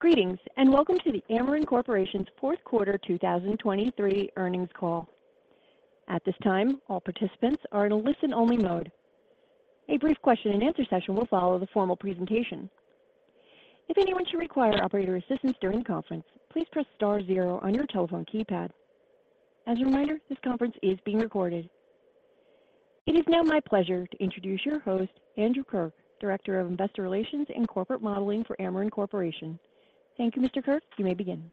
Greetings, and welcome to the Ameren Corporation's fourth quarter 2023 earnings call. At this time, all participants are in a listen-only mode. A brief question-and-answer session will follow the formal presentation. If anyone should require operator assistance during the conference, please press star zero on your telephone keypad. As a reminder, this conference is being recorded. It is now my pleasure to introduce your host, Andrew Kirk, Director of Investor Relations and Corporate Modeling for Ameren Corporation. Thank you, Mr. Kirk. You may begin.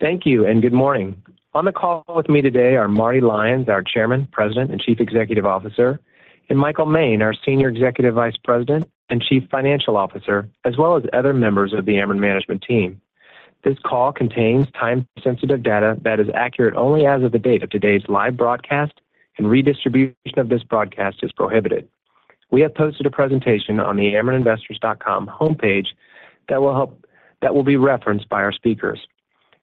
Thank you, and good morning. On the call with me today are Marty Lyons, our Chairman, President, and Chief Executive Officer, and Michael Moehn, our Senior Executive Vice President and Chief Financial Officer, as well as other members of the Ameren management team. This call contains time-sensitive data that is accurate only as of the date of today's live broadcast, and redistribution of this broadcast is prohibited. We have posted a presentation on the amereninvestors.com homepage that will be referenced by our speakers.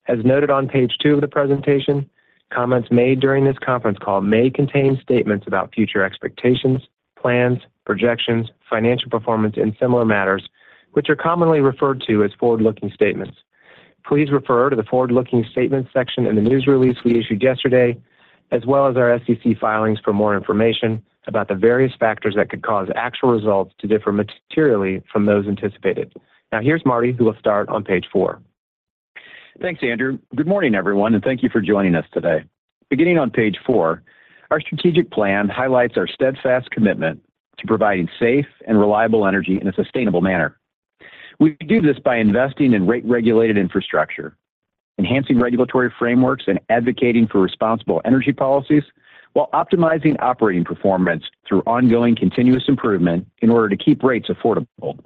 As noted on page 2 of the presentation, comments made during this conference call may contain statements about future expectations, plans, projections, financial performance, and similar matters, which are commonly referred to as forward-looking statements. Please refer to the Forward-Looking Statements section in the news release we issued yesterday, as well as our SEC filings for more information about the various factors that could cause actual results to differ materially from those anticipated. Now, here's Marty, who will start on page four. Thanks, Andrew. Good morning, everyone, and thank you for joining us today. Beginning on page 4, our strategic plan highlights our steadfast commitment to providing safe and reliable energy in a sustainable manner. We do this by investing in rate-regulated infrastructure, enhancing regulatory frameworks, and advocating for responsible energy policies while optimizing operating performance through ongoing continuous improvement in order to keep rates affordable.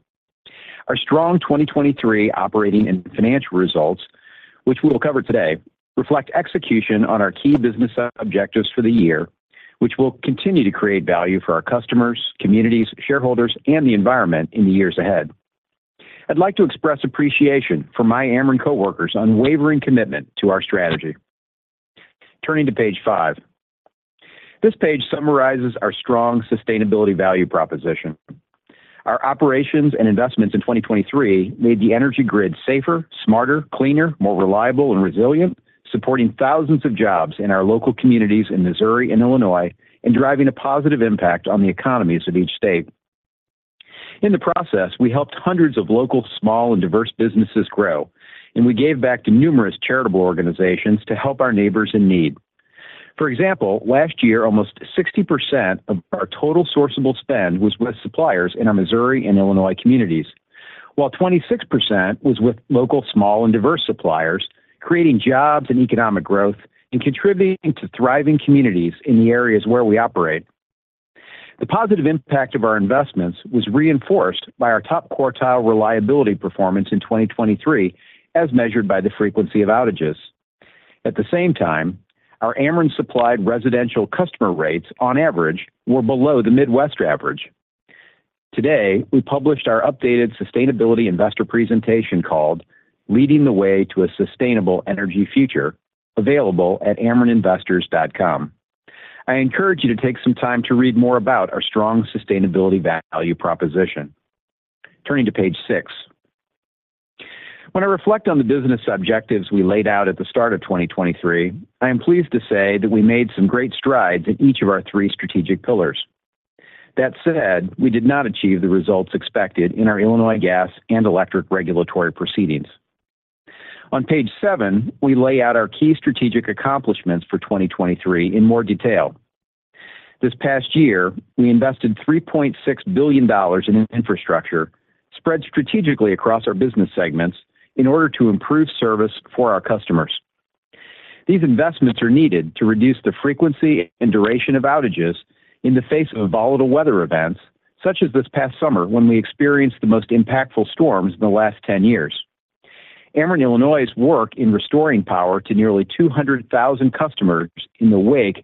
Our strong 2023 operating and financial results, which we will cover today, reflect execution on our key business objectives for the year, which will continue to create value for our customers, communities, shareholders, and the environment in the years ahead. I'd like to express appreciation for my Ameren coworkers' unwavering commitment to our strategy. Turning to page 5. This page summarizes our strong sustainability value proposition. Our operations and investments in 2023 made the energy grid safer, smarter, cleaner, more reliable and resilient, supporting thousands of jobs in our local communities in Missouri and Illinois, and driving a positive impact on the economies of each state. In the process, we helped hundreds of local, small, and diverse businesses grow, and we gave back to numerous charitable organizations to help our neighbors in need. For example, last year, almost 60% of our total sourceable spend was with suppliers in our Missouri and Illinois communities, while 26% was with local, small, and diverse suppliers, creating jobs and economic growth and contributing to thriving communities in the areas where we operate. The positive impact of our investments was reinforced by our top-quartile reliability performance in 2023, as measured by the frequency of outages. At the same time, our Ameren-supplied residential customer rates, on average, were below the Midwest average. Today, we published our updated sustainability investor presentation called Leading the Way to a Sustainable Energy Future, available at amereninvestors.com. I encourage you to take some time to read more about our strong sustainability value proposition. Turning to page 6. When I reflect on the business objectives we laid out at the start of 2023, I am pleased to say that we made some great strides in each of our three strategic pillars. That said, we did not achieve the results expected in our Illinois gas and electric regulatory proceedings. On page 7, we lay out our key strategic accomplishments for 2023 in more detail. This past year, we invested $3.6 billion in infrastructure, spread strategically across our business segments in order to improve service for our customers. These investments are needed to reduce the frequency and duration of outages in the face of volatile weather events, such as this past summer, when we experienced the most impactful storms in the last 10 years. Ameren Illinois' work in restoring power to nearly 200,000 customers in the wake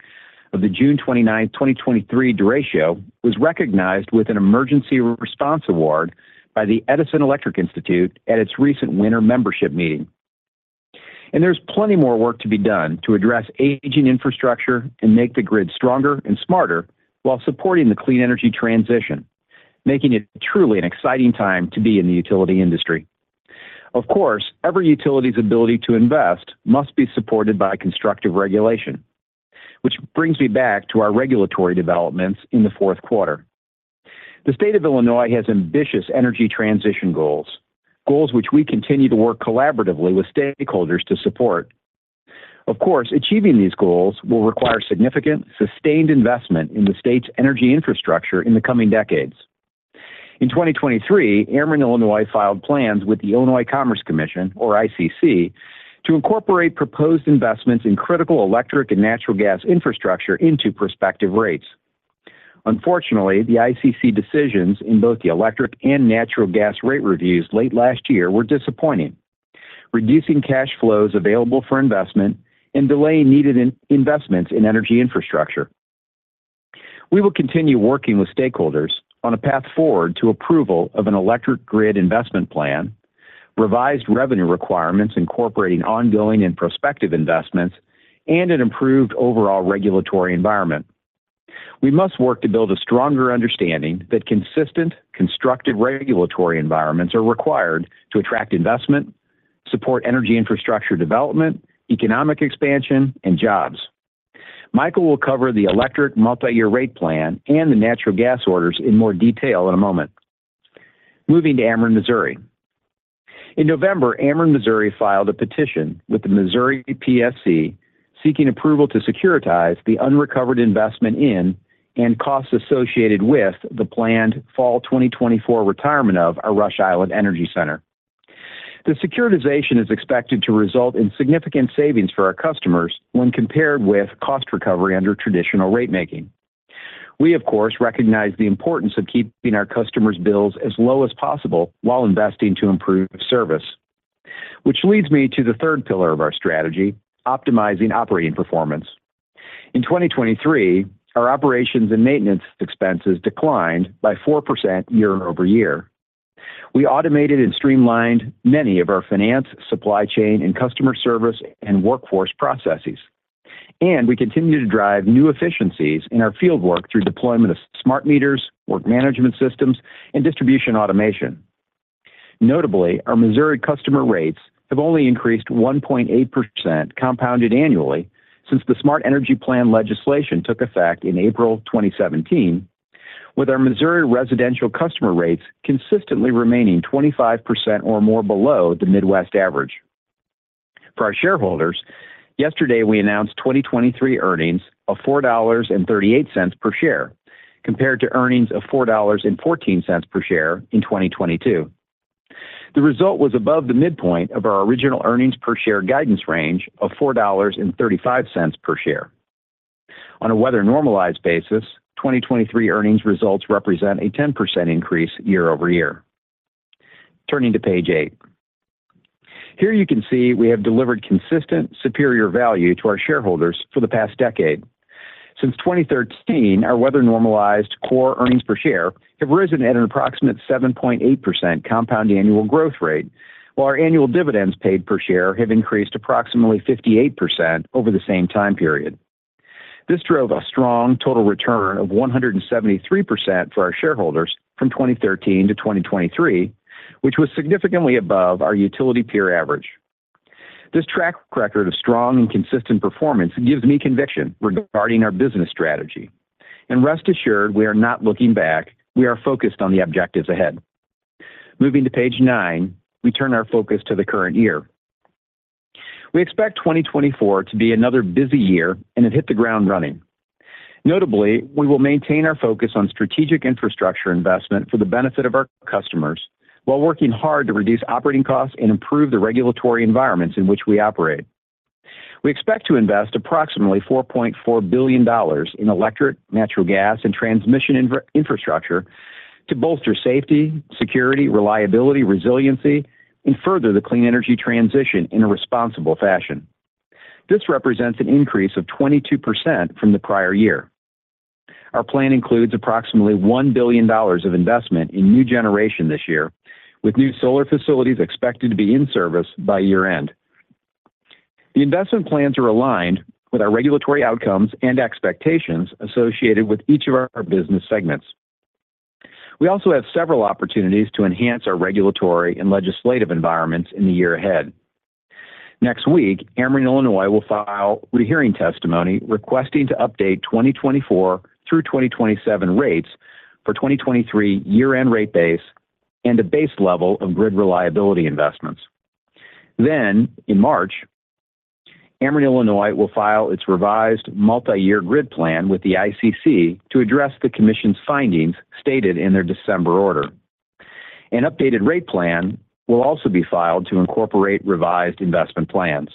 of the June 29, 2023 derecho was recognized with an Emergency Response Award by the Edison Electric Institute at its recent winter membership meeting. There's plenty more work to be done to address aging infrastructure and make the grid stronger and smarter while supporting the clean energy transition, making it truly an exciting time to be in the utility industry. Of course, every utility's ability to invest must be supported by constructive regulation, which brings me back to our regulatory developments in the fourth quarter. The state of Illinois has ambitious energy transition goals, goals which we continue to work collaboratively with stakeholders to support. Of course, achieving these goals will require significant, sustained investment in the state's energy infrastructure in the coming decades. In 2023, Ameren Illinois filed plans with the Illinois Commerce Commission, or ICC, to incorporate proposed investments in critical electric and natural gas infrastructure into prospective rates. Unfortunately, the ICC decisions in both the electric and natural gas rate reviews late last year were disappointing, reducing cash flows available for investment and delaying needed investments in energy infrastructure. We will continue working with stakeholders on a path forward to approval of an electric grid investment plan, revised revenue requirements incorporating ongoing and prospective investments, and an improved overall regulatory environment.... We must work to build a stronger understanding that consistent, constructive regulatory environments are required to attract investment, support energy infrastructure development, economic expansion, and jobs. Michael will cover the electric multi-year rate plan and the natural gas orders in more detail in a moment. Moving to Ameren Missouri. In November, Ameren Missouri filed a petition with the Missouri PSC, seeking approval to securitize the unrecovered investment in and costs associated with the planned fall 2024 retirement of our Rush Island Energy Center. The securitization is expected to result in significant savings for our customers when compared with cost recovery under traditional rate making. We, of course, recognize the importance of keeping our customers' bills as low as possible while investing to improve service, which leads me to the third pillar of our strategy: optimizing operating performance. In 2023, our operations and maintenance expenses declined by 4% year-over-year. We automated and streamlined many of our finance, supply chain, and customer service, and workforce processes, and we continue to drive new efficiencies in our fieldwork through deployment of smart meters, work management systems, and distribution automation. Notably, our Missouri customer rates have only increased 1.8% compounded annually since the Smart Energy Plan legislation took effect in April 2017, with our Missouri residential customer rates consistently remaining 25% or more below the Midwest average. For our shareholders, yesterday, we announced 2023 earnings of $4.38 per share, compared to earnings of $4.14 per share in 2022. The result was above the midpoint of our original earnings per share guidance range of $4.35 per share. On a weather-normalized basis, 2023 earnings results represent a 10% increase year over year. Turning to page 8. Here you can see we have delivered consistent, superior value to our shareholders for the past decade. Since 2013, our weather-normalized core earnings per share have risen at an approximate 7.8% compound annual growth rate, while our annual dividends paid per share have increased approximately 58% over the same time period. This drove a strong total return of 173% for our shareholders from 2013 to 2023, which was significantly above our utility peer average. This track record of strong and consistent performance gives me conviction regarding our business strategy. Rest assured, we are not looking back. We are focused on the objectives ahead. Moving to page 9, we turn our focus to the current year. We expect 2024 to be another busy year, and it hit the ground running. Notably, we will maintain our focus on strategic infrastructure investment for the benefit of our customers, while working hard to reduce operating costs and improve the regulatory environments in which we operate. We expect to invest approximately $4.4 billion in electric, natural gas, and transmission infrastructure to bolster safety, security, reliability, resiliency, and further the clean energy transition in a responsible fashion. This represents an increase of 22% from the prior year. Our plan includes approximately $1 billion of investment in new generation this year, with new solar facilities expected to be in service by year-end. The investment plans are aligned with our regulatory outcomes and expectations associated with each of our business segments. We also have several opportunities to enhance our regulatory and legislative environments in the year ahead. Next week, Ameren Illinois will file rehearing testimony, requesting to update 2024 through 2027 rates for 2023 year-end rate base and a base level of grid reliability investments. Then, in March, Ameren Illinois will file its revised multi-year grid plan with the ICC to address the commission's findings stated in their December order. An updated rate plan will also be filed to incorporate revised investment plans.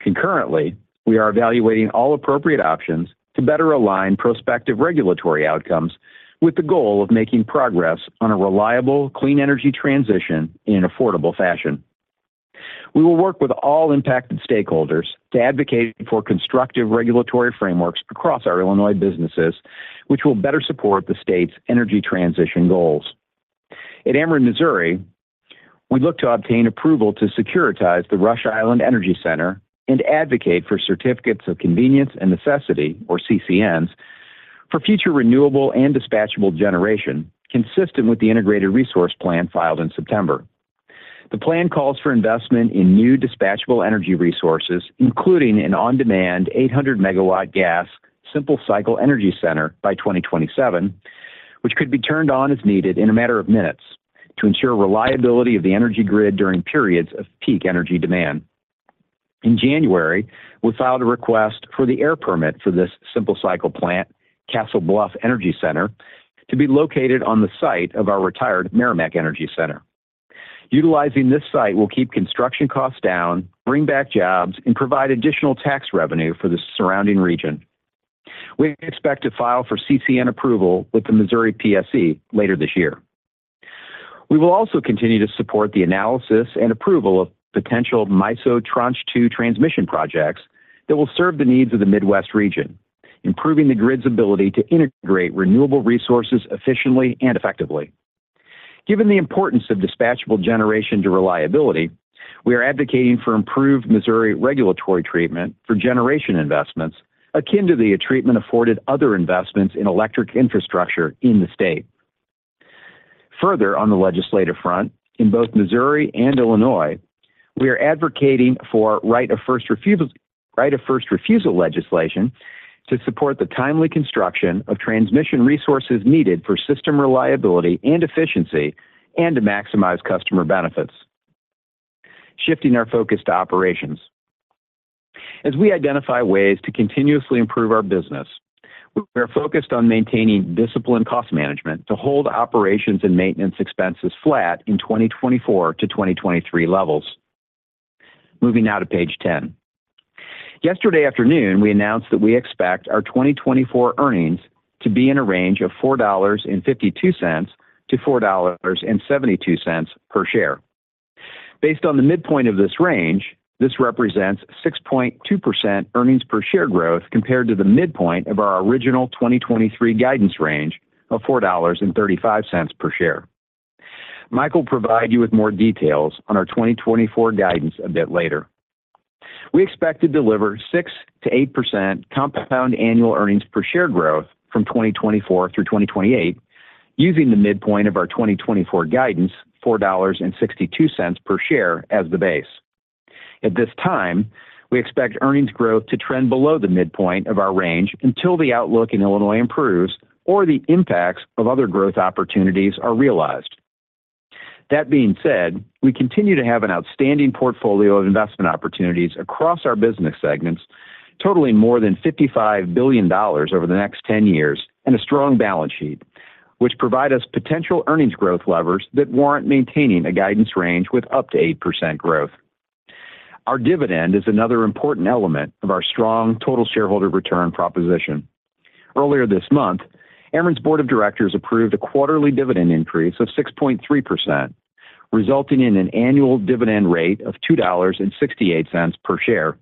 Concurrently, we are evaluating all appropriate options to better align prospective regulatory outcomes with the goal of making progress on a reliable, clean energy transition in an affordable fashion. We will work with all impacted stakeholders to advocate for constructive regulatory frameworks across our Illinois businesses, which will better support the state's energy transition goals. At Ameren Missouri, we look to obtain approval to securitize the Rush Island Energy Center and advocate for Certificates of Convenience and Necessity, or CCNs, for future renewable and dispatchable generation, consistent with the Integrated Resource Plan filed in September. The plan calls for investment in new dispatchable energy resources, including an on-demand 800 MW gas simple cycle energy center by 2027, which could be turned on as needed in a matter of minutes to ensure reliability of the energy grid during periods of peak energy demand. In January, we filed a request for the air permit for this simple cycle plant, Castle Bluff Energy Center, to be located on the site of our retired Meramec Energy Center. Utilizing this site will keep construction costs down, bring back jobs, and provide additional tax revenue for the surrounding region. We expect to file for CCN approval with the Missouri PSC later this year. We will also continue to support the analysis and approval of potential MISO Tranche 2 transmission projects that will serve the needs of the Midwest region, improving the grid's ability to integrate renewable resources efficiently and effectively. Given the importance of dispatchable generation to reliability, we are advocating for improved Missouri regulatory treatment for generation investments akin to the treatment afforded other investments in electric infrastructure in the state. Further, on the legislative front, in both Missouri and Illinois, we are advocating for right of first refusal, right of first refusal legislation to support the timely construction of transmission resources needed for system reliability and efficiency and to maximize customer benefits. Shifting our focus to operations. As we identify ways to continuously improve our business, we are focused on maintaining disciplined cost management to hold operations and maintenance expenses flat in 2024 to 2023 levels. Moving now to page 10. Yesterday afternoon, we announced that we expect our 2024 earnings to be in a range of $4.52 to $4.72 per share. Based on the midpoint of this range, this represents 6.2% earnings per share growth compared to the midpoint of our original 2023 guidance range of $4.35 per share. Mike will provide you with more details on our 2024 guidance a bit later. We expect to deliver 6% to 8% compound annual earnings per share growth from 2024 through 2028, using the midpoint of our 2024 guidance, $4.62 per share, as the base. At this time, we expect earnings growth to trend below the midpoint of our range until the outlook in Illinois improves or the impacts of other growth opportunities are realized. That being said, we continue to have an outstanding portfolio of investment opportunities across our business segments, totaling more than $55 billion over the next 10 years, and a strong balance sheet, which provide us potential earnings growth levers that warrant maintaining a guidance range with up to 8% growth. Our dividend is another important element of our strong total shareholder return proposition. Earlier this month, Ameren's board of directors approved a quarterly dividend increase of 6.3%, resulting in an annual dividend rate of $2.68 per share.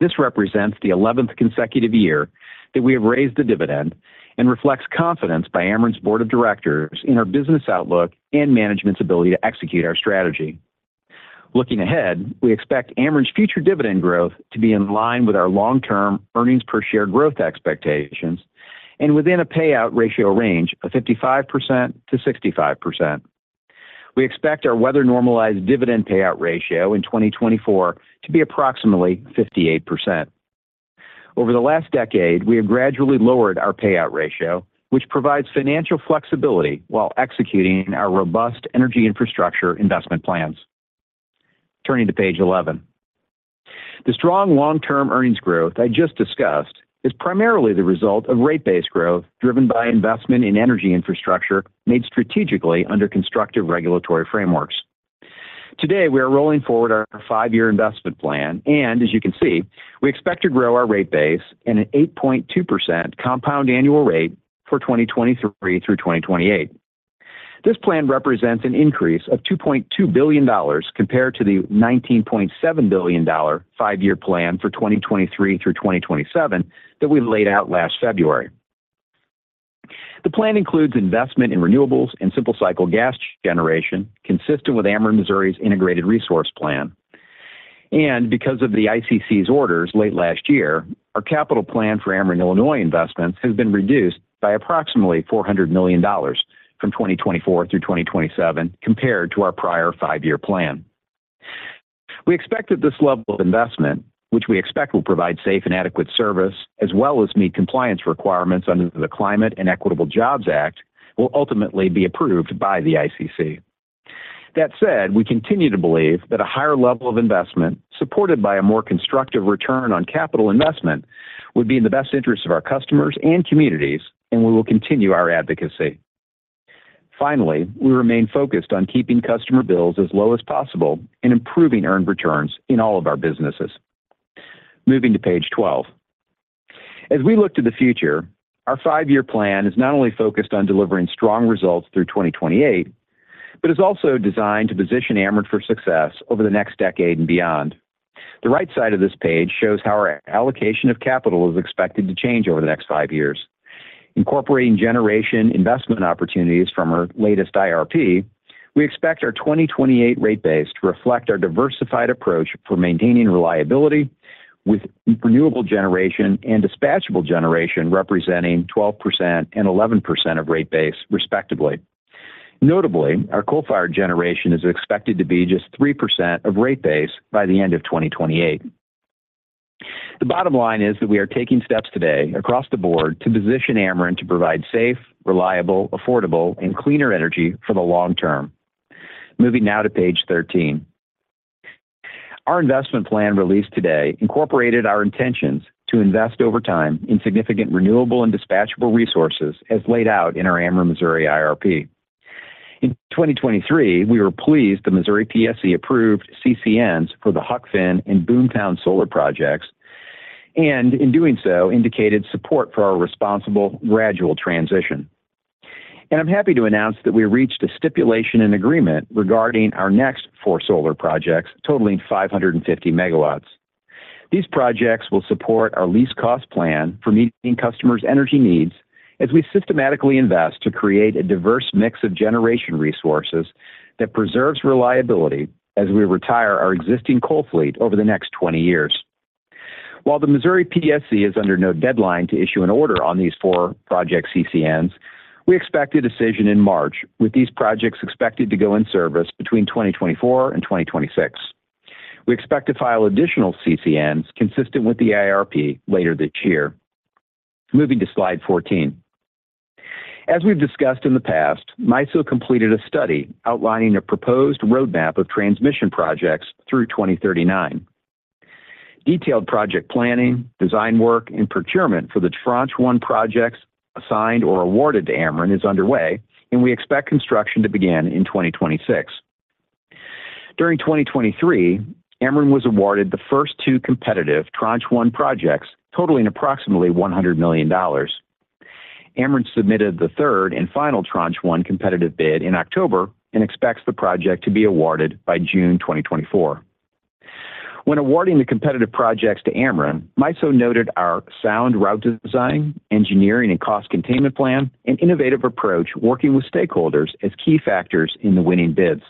This represents the 11th consecutive year that we have raised the dividend and reflects confidence by Ameren's board of directors in our business outlook and management's ability to execute our strategy. Looking ahead, we expect Ameren's future dividend growth to be in line with our long-term earnings per share growth expectations and within a payout ratio range of 55% to 65%. We expect our weather-normalized dividend payout ratio in 2024 to be approximately 58%. Over the last decade, we have gradually lowered our payout ratio, which provides financial flexibility while executing our robust energy infrastructure investment plans. Turning to page 11. The strong long-term earnings growth I just discussed is primarily the result of rate-based growth driven by investment in energy infrastructure made strategically under constructive regulatory frameworks. Today, we are rolling forward our five-year investment plan, and as you can see, we expect to grow our rate base in an 8.2% compound annual rate for 2023 through 2028. This plan represents an increase of $2.2 billion compared to the $19.7 billion five-year plan for 2023 through 2027 that we laid out last February. The plan includes investment in renewables and simple cycle gas generation, consistent with Ameren Missouri's integrated resource plan. Because of the ICC's orders late last year, our capital plan for Ameren Illinois investments has been reduced by approximately $400 million from 2024 through 2027 compared to our prior five-year plan. We expect that this level of investment, which we expect will provide safe and adequate service, as well as meet compliance requirements under the Climate and Equitable Jobs Act, will ultimately be approved by the ICC. That said, we continue to believe that a higher level of investment, supported by a more constructive return on capital investment, would be in the best interest of our customers and communities, and we will continue our advocacy. Finally, we remain focused on keeping customer bills as low as possible and improving earned returns in all of our businesses. Moving to page 12. As we look to the future, our five-year plan is not only focused on delivering strong results through 2028, but is also designed to position Ameren for success over the next decade and beyond. The right side of this page shows how our allocation of capital is expected to change over the next five years. Incorporating generation investment opportunities from our latest IRP, we expect our 2028 rate base to reflect our diversified approach for maintaining reliability, with renewable generation and dispatchable generation representing 12% and 11% of rate base, respectively. Notably, our coal-fired generation is expected to be just 3% of rate base by the end of 2028. The bottom line is that we are taking steps today across the board to position Ameren to provide safe, reliable, affordable, and cleaner energy for the long term. Moving now to page 13. Our investment plan released today incorporated our intentions to invest over time in significant, renewable, and dispatchable resources, as laid out in our Ameren Missouri IRP. In 2023, we were pleased the Missouri PSC approved CCNs for the Huck Finn and Boomtown solar projects, and in doing so, indicated support for our responsible, gradual transition. I'm happy to announce that we reached a stipulation and agreement regarding our next four solar projects, totaling 550 MW. These projects will support our least-cost plan for meeting customers' energy needs as we systematically invest to create a diverse mix of generation resources that preserves reliability as we retire our existing coal fleet over the next 20 years. While the Missouri PSC is under no deadline to issue an order on these four project CCNs, we expect a decision in March, with these projects expected to go in service between 2024 and 2026. We expect to file additional CCNs consistent with the IRP later this year. Moving to page 14. As we've discussed in the past, MISO completed a study outlining a proposed roadmap of transmission projects through 2039. Detailed project planning, design work, and procurement for the Tranche One projects assigned or awarded to Ameren is underway, and we expect construction to begin in 2026. During 2023, Ameren was awarded the first two competitive Tranche 1 projects, totaling approximately $100 million. Ameren submitted the third and final Tranche One competitive bid in October and expects the project to be awarded by June 2024. When awarding the competitive projects to Ameren, MISO noted our sound route design, engineering and cost containment plan, and innovative approach working with stakeholders as key factors in the winning bids.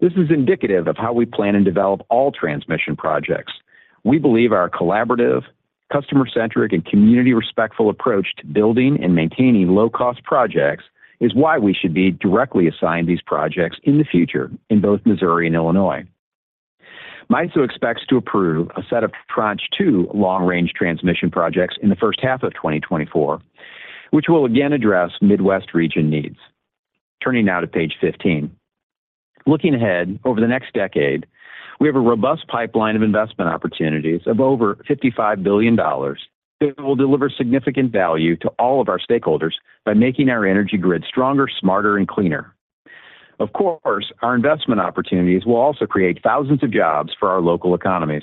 This is indicative of how we plan and develop all transmission projects. We believe our collaborative, customer-centric, and community-respectful approach to building and maintaining low-cost projects is why we should be directly assigned these projects in the future in both Missouri and Illinois. MISO expects to approve a set of Tranche 2 long-range transmission projects in the first half of 2024, which will again address Midwest region needs. Turning now to page 15. Looking ahead, over the next decade, we have a robust pipeline of investment opportunities of over $55 billion that will deliver significant value to all of our stakeholders by making our energy grid stronger, smarter, and cleaner. Of course, our investment opportunities will also create thousands of jobs for our local economies.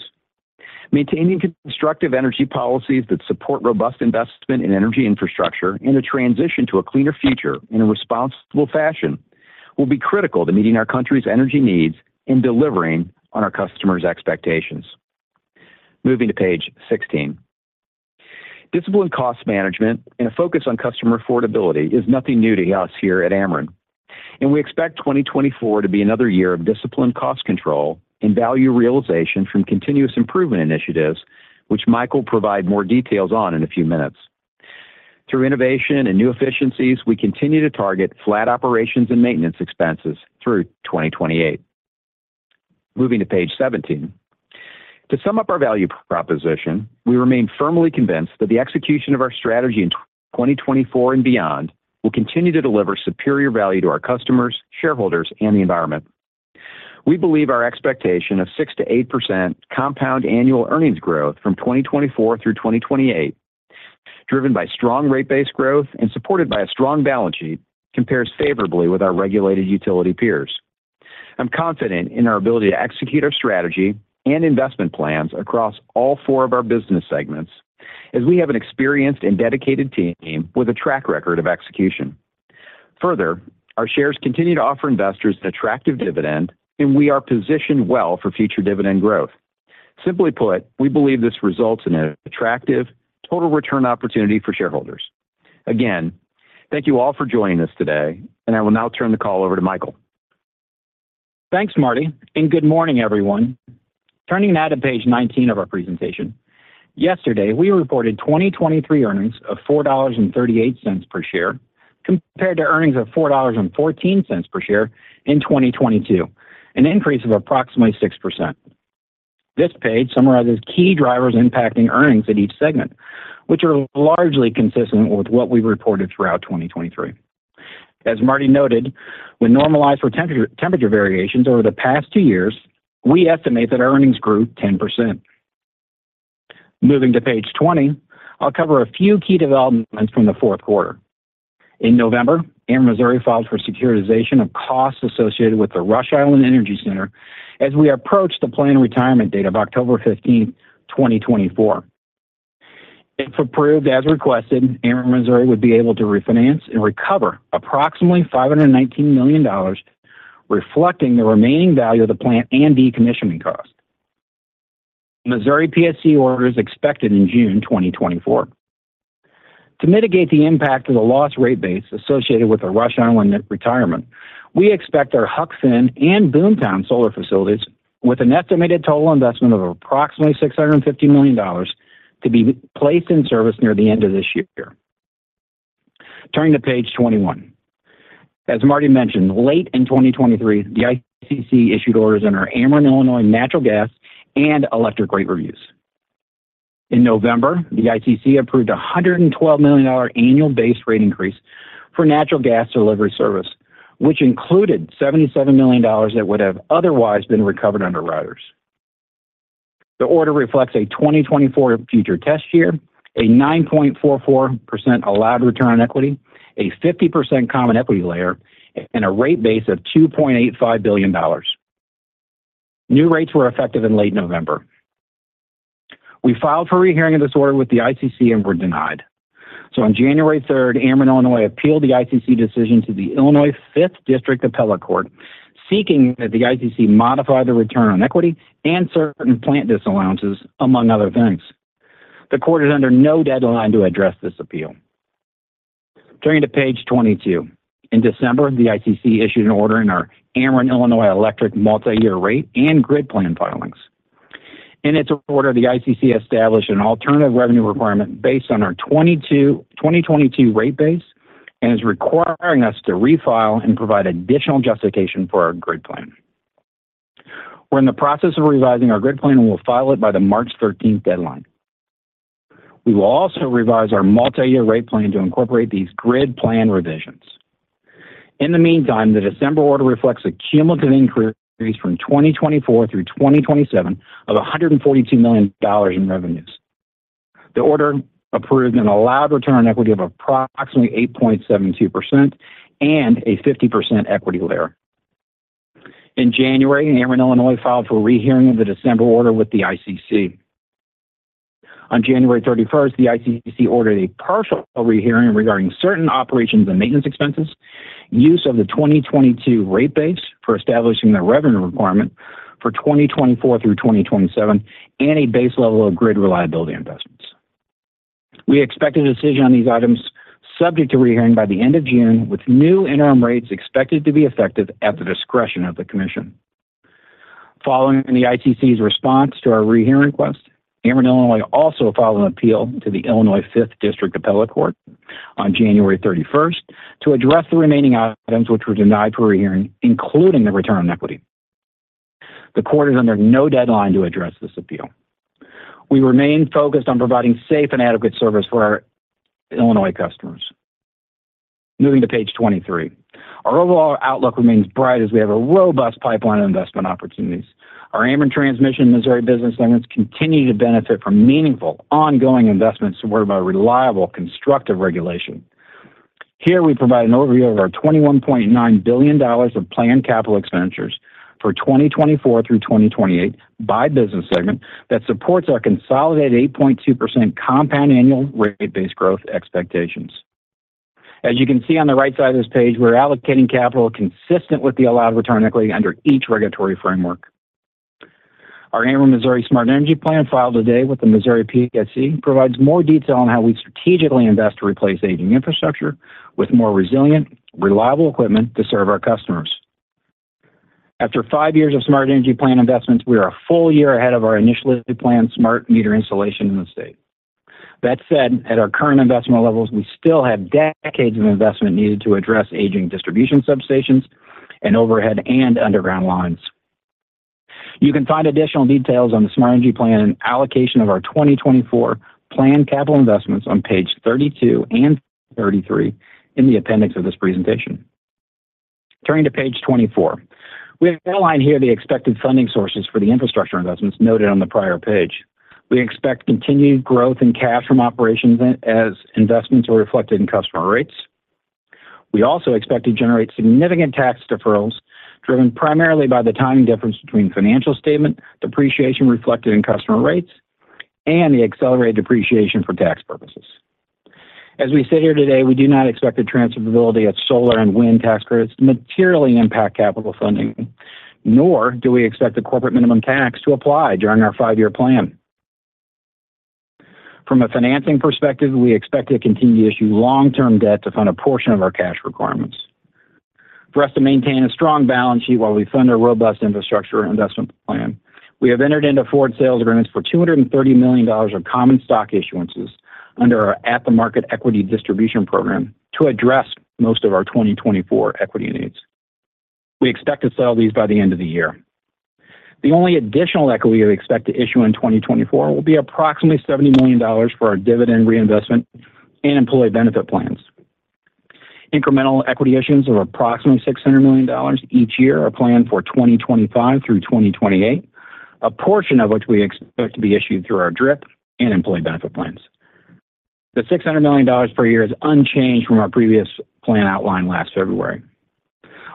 Maintaining constructive energy policies that support robust investment in energy infrastructure and a transition to a cleaner future in a responsible fashion will be critical to meeting our country's energy needs and delivering on our customers' expectations. Moving to page 16. Disciplined cost management and a focus on customer affordability is nothing new to us here at Ameren, and we expect 2024 to be another year of disciplined cost control and value realization from continuous improvement initiatives, which Mike will provide more details on in a few minutes. Through innovation and new efficiencies, we continue to target flat operations and maintenance expenses through 2028. Moving to page 17. To sum up our value proposition, we remain firmly convinced that the execution of our strategy in 2024 and beyond will continue to deliver superior value to our customers, shareholders, and the environment. We believe our expectation of 6% to 8% compound annual earnings growth from 2024 through 2028, driven by strong rate base growth and supported by a strong balance sheet, compares favorably with our regulated utility peers. I'm confident in our ability to execute our strategy and investment plans across all four of our business segments, as we have an experienced and dedicated team with a track record of execution. Further, our shares continue to offer investors an attractive dividend, and we are positioned well for future dividend growth. Simply put, we believe this results in an attractive total return opportunity for shareholders. Again, thank you all for joining us today, and I will now turn the call over to Michael. Thanks, Marty, and good morning, everyone. Turning now to page 19 of our presentation. Yesterday, we reported 2023 earnings of $4.38 per share, compared to earnings of $4.14 per share in 2022, an increase of approximately 6%. This page summarizes key drivers impacting earnings at each segment, which are largely consistent with what we reported throughout 2023. As Marty noted, when normalized for temperature, temperature variations over the past two years, we estimate that earnings grew 10%. Moving to page 20, I'll cover a few key developments from the fourth quarter. In November, Ameren Missouri filed for securitization of costs associated with the Rush Island Energy Center as we approach the planned retirement date of October 15, 2024. If approved as requested, Ameren Missouri would be able to refinance and recover approximately $519 million, reflecting the remaining value of the plant and decommissioning cost. Missouri PSC order is expected in June 2024. To mitigate the impact of the loss rate base associated with the Rush Island retirement, we expect our Huck Finn and Boomtown solar facilities, with an estimated total investment of approximately $650 million, to be placed in service near the end of this year. Turning to page 21. As Marty mentioned, late in 2023, the ICC issued orders on our Ameren Illinois natural gas and electric rate reviews. In November, the ICC approved a $112 million annual base rate increase for natural gas delivery service, which included $77 million that would have otherwise been recovered under riders. The order reflects a 2024 future test year, a 9.44% allowed return on equity, a 50% common equity layer, and a rate base of $2.85 billion. New rates were effective in late November. We filed for rehearing of this order with the ICC and were denied. So on January third, Ameren Illinois appealed the ICC decision to the Illinois Fifth District Appellate Court, seeking that the ICC modify the return on equity and certain plant disallowances, among other things. The court is under no deadline to address this appeal. Turning to page 22. In December, the ICC issued an order in our Ameren Illinois Electric Multi-Year Rate and Grid Plan filings. In its order, the ICC established an alternative revenue requirement based on our 2022 rate base and is requiring us to refile and provide additional justification for our grid plan. We're in the process of revising our grid plan, and we'll file it by the March 13 deadline. We will also revise our multi-year rate plan to incorporate these grid plan revisions. In the meantime, the December order reflects a cumulative increase from 2024 through 2027 of $142 million in revenues. The order approved an allowed return on equity of approximately 8.72% and a 50% equity layer. In January, Ameren Illinois filed for a rehearing of the December order with the ICC. On January 31, the ICC ordered a partial rehearing regarding certain operations and maintenance expenses, use of the 2022 rate base for establishing the revenue requirement for 2024 through 2027, and a base level of grid reliability investments. We expect a decision on these items subject to rehearing by the end of June, with new interim rates expected to be effective at the discretion of the commission. Following the ICC's response to our rehearing request, Ameren Illinois also filed an appeal to the Illinois Fifth District Appellate Court on January 31 to address the remaining items which were denied for rehearing, including the return on equity. The court is under no deadline to address this appeal. We remain focused on providing safe and adequate service for our Illinois customers. Moving to page 23. Our overall outlook remains bright as we have a robust pipeline of investment opportunities. Our Ameren Transmission, Missouri business segments continue to benefit from meaningful, ongoing investments supported by reliable, constructive regulation. Here, we provide an overview of our $21.9 billion of planned capital expenditures for 2024 through 2028 by business segment that supports our consolidated 8.2% compound annual rate base growth expectations. As you can see on the right side of this page, we're allocating capital consistent with the allowed return on equity under each regulatory framework. Our Ameren Missouri Smart Energy Plan, filed today with the Missouri PSC, provides more detail on how we strategically invest to replace aging infrastructure with more resilient, reliable equipment to serve our customers. After five years of Smart Energy Plan investments, we are a full year ahead of our initially planned smart meter installation in the state. That said, at our current investment levels, we still have decades of investment needed to address aging distribution substations and overhead and underground lines. You can find additional details on the Smart Energy Plan and allocation of our 2024 planned capital investments on page 32 and page 33 in the appendix of this presentation. Turning to page 24. We have outlined here the expected funding sources for the infrastructure investments noted on the prior page. We expect continued growth in cash from operations as investments are reflected in customer rates. We also expect to generate significant tax deferrals, driven primarily by the timing difference between financial statement depreciation reflected in customer rates, and the accelerated depreciation for tax purposes. As we sit here today, we do not expect the transferability of solar and wind tax credits to materially impact capital funding, nor do we expect the corporate minimum tax to apply during our five-year plan. From a financing perspective, we expect to continue to issue long-term debt to fund a portion of our cash requirements. For us to maintain a strong balance sheet while we fund our robust infrastructure investment plan, we have entered into forward sales agreements for $230 million of common stock issuances under our At-the-Market Equity Distribution Program to address most of our 2024 equity needs. We expect to sell these by the end of the year. The only additional equity we expect to issue in 2024 will be approximately $70 million for our dividend reinvestment and employee benefit plans. Incremental equity issuance of approximately $600 million each year are planned for 2025 through 2028, a portion of which we expect to be issued through our DRIP and employee benefit plans. The $600 million per year is unchanged from our previous plan outlined last February.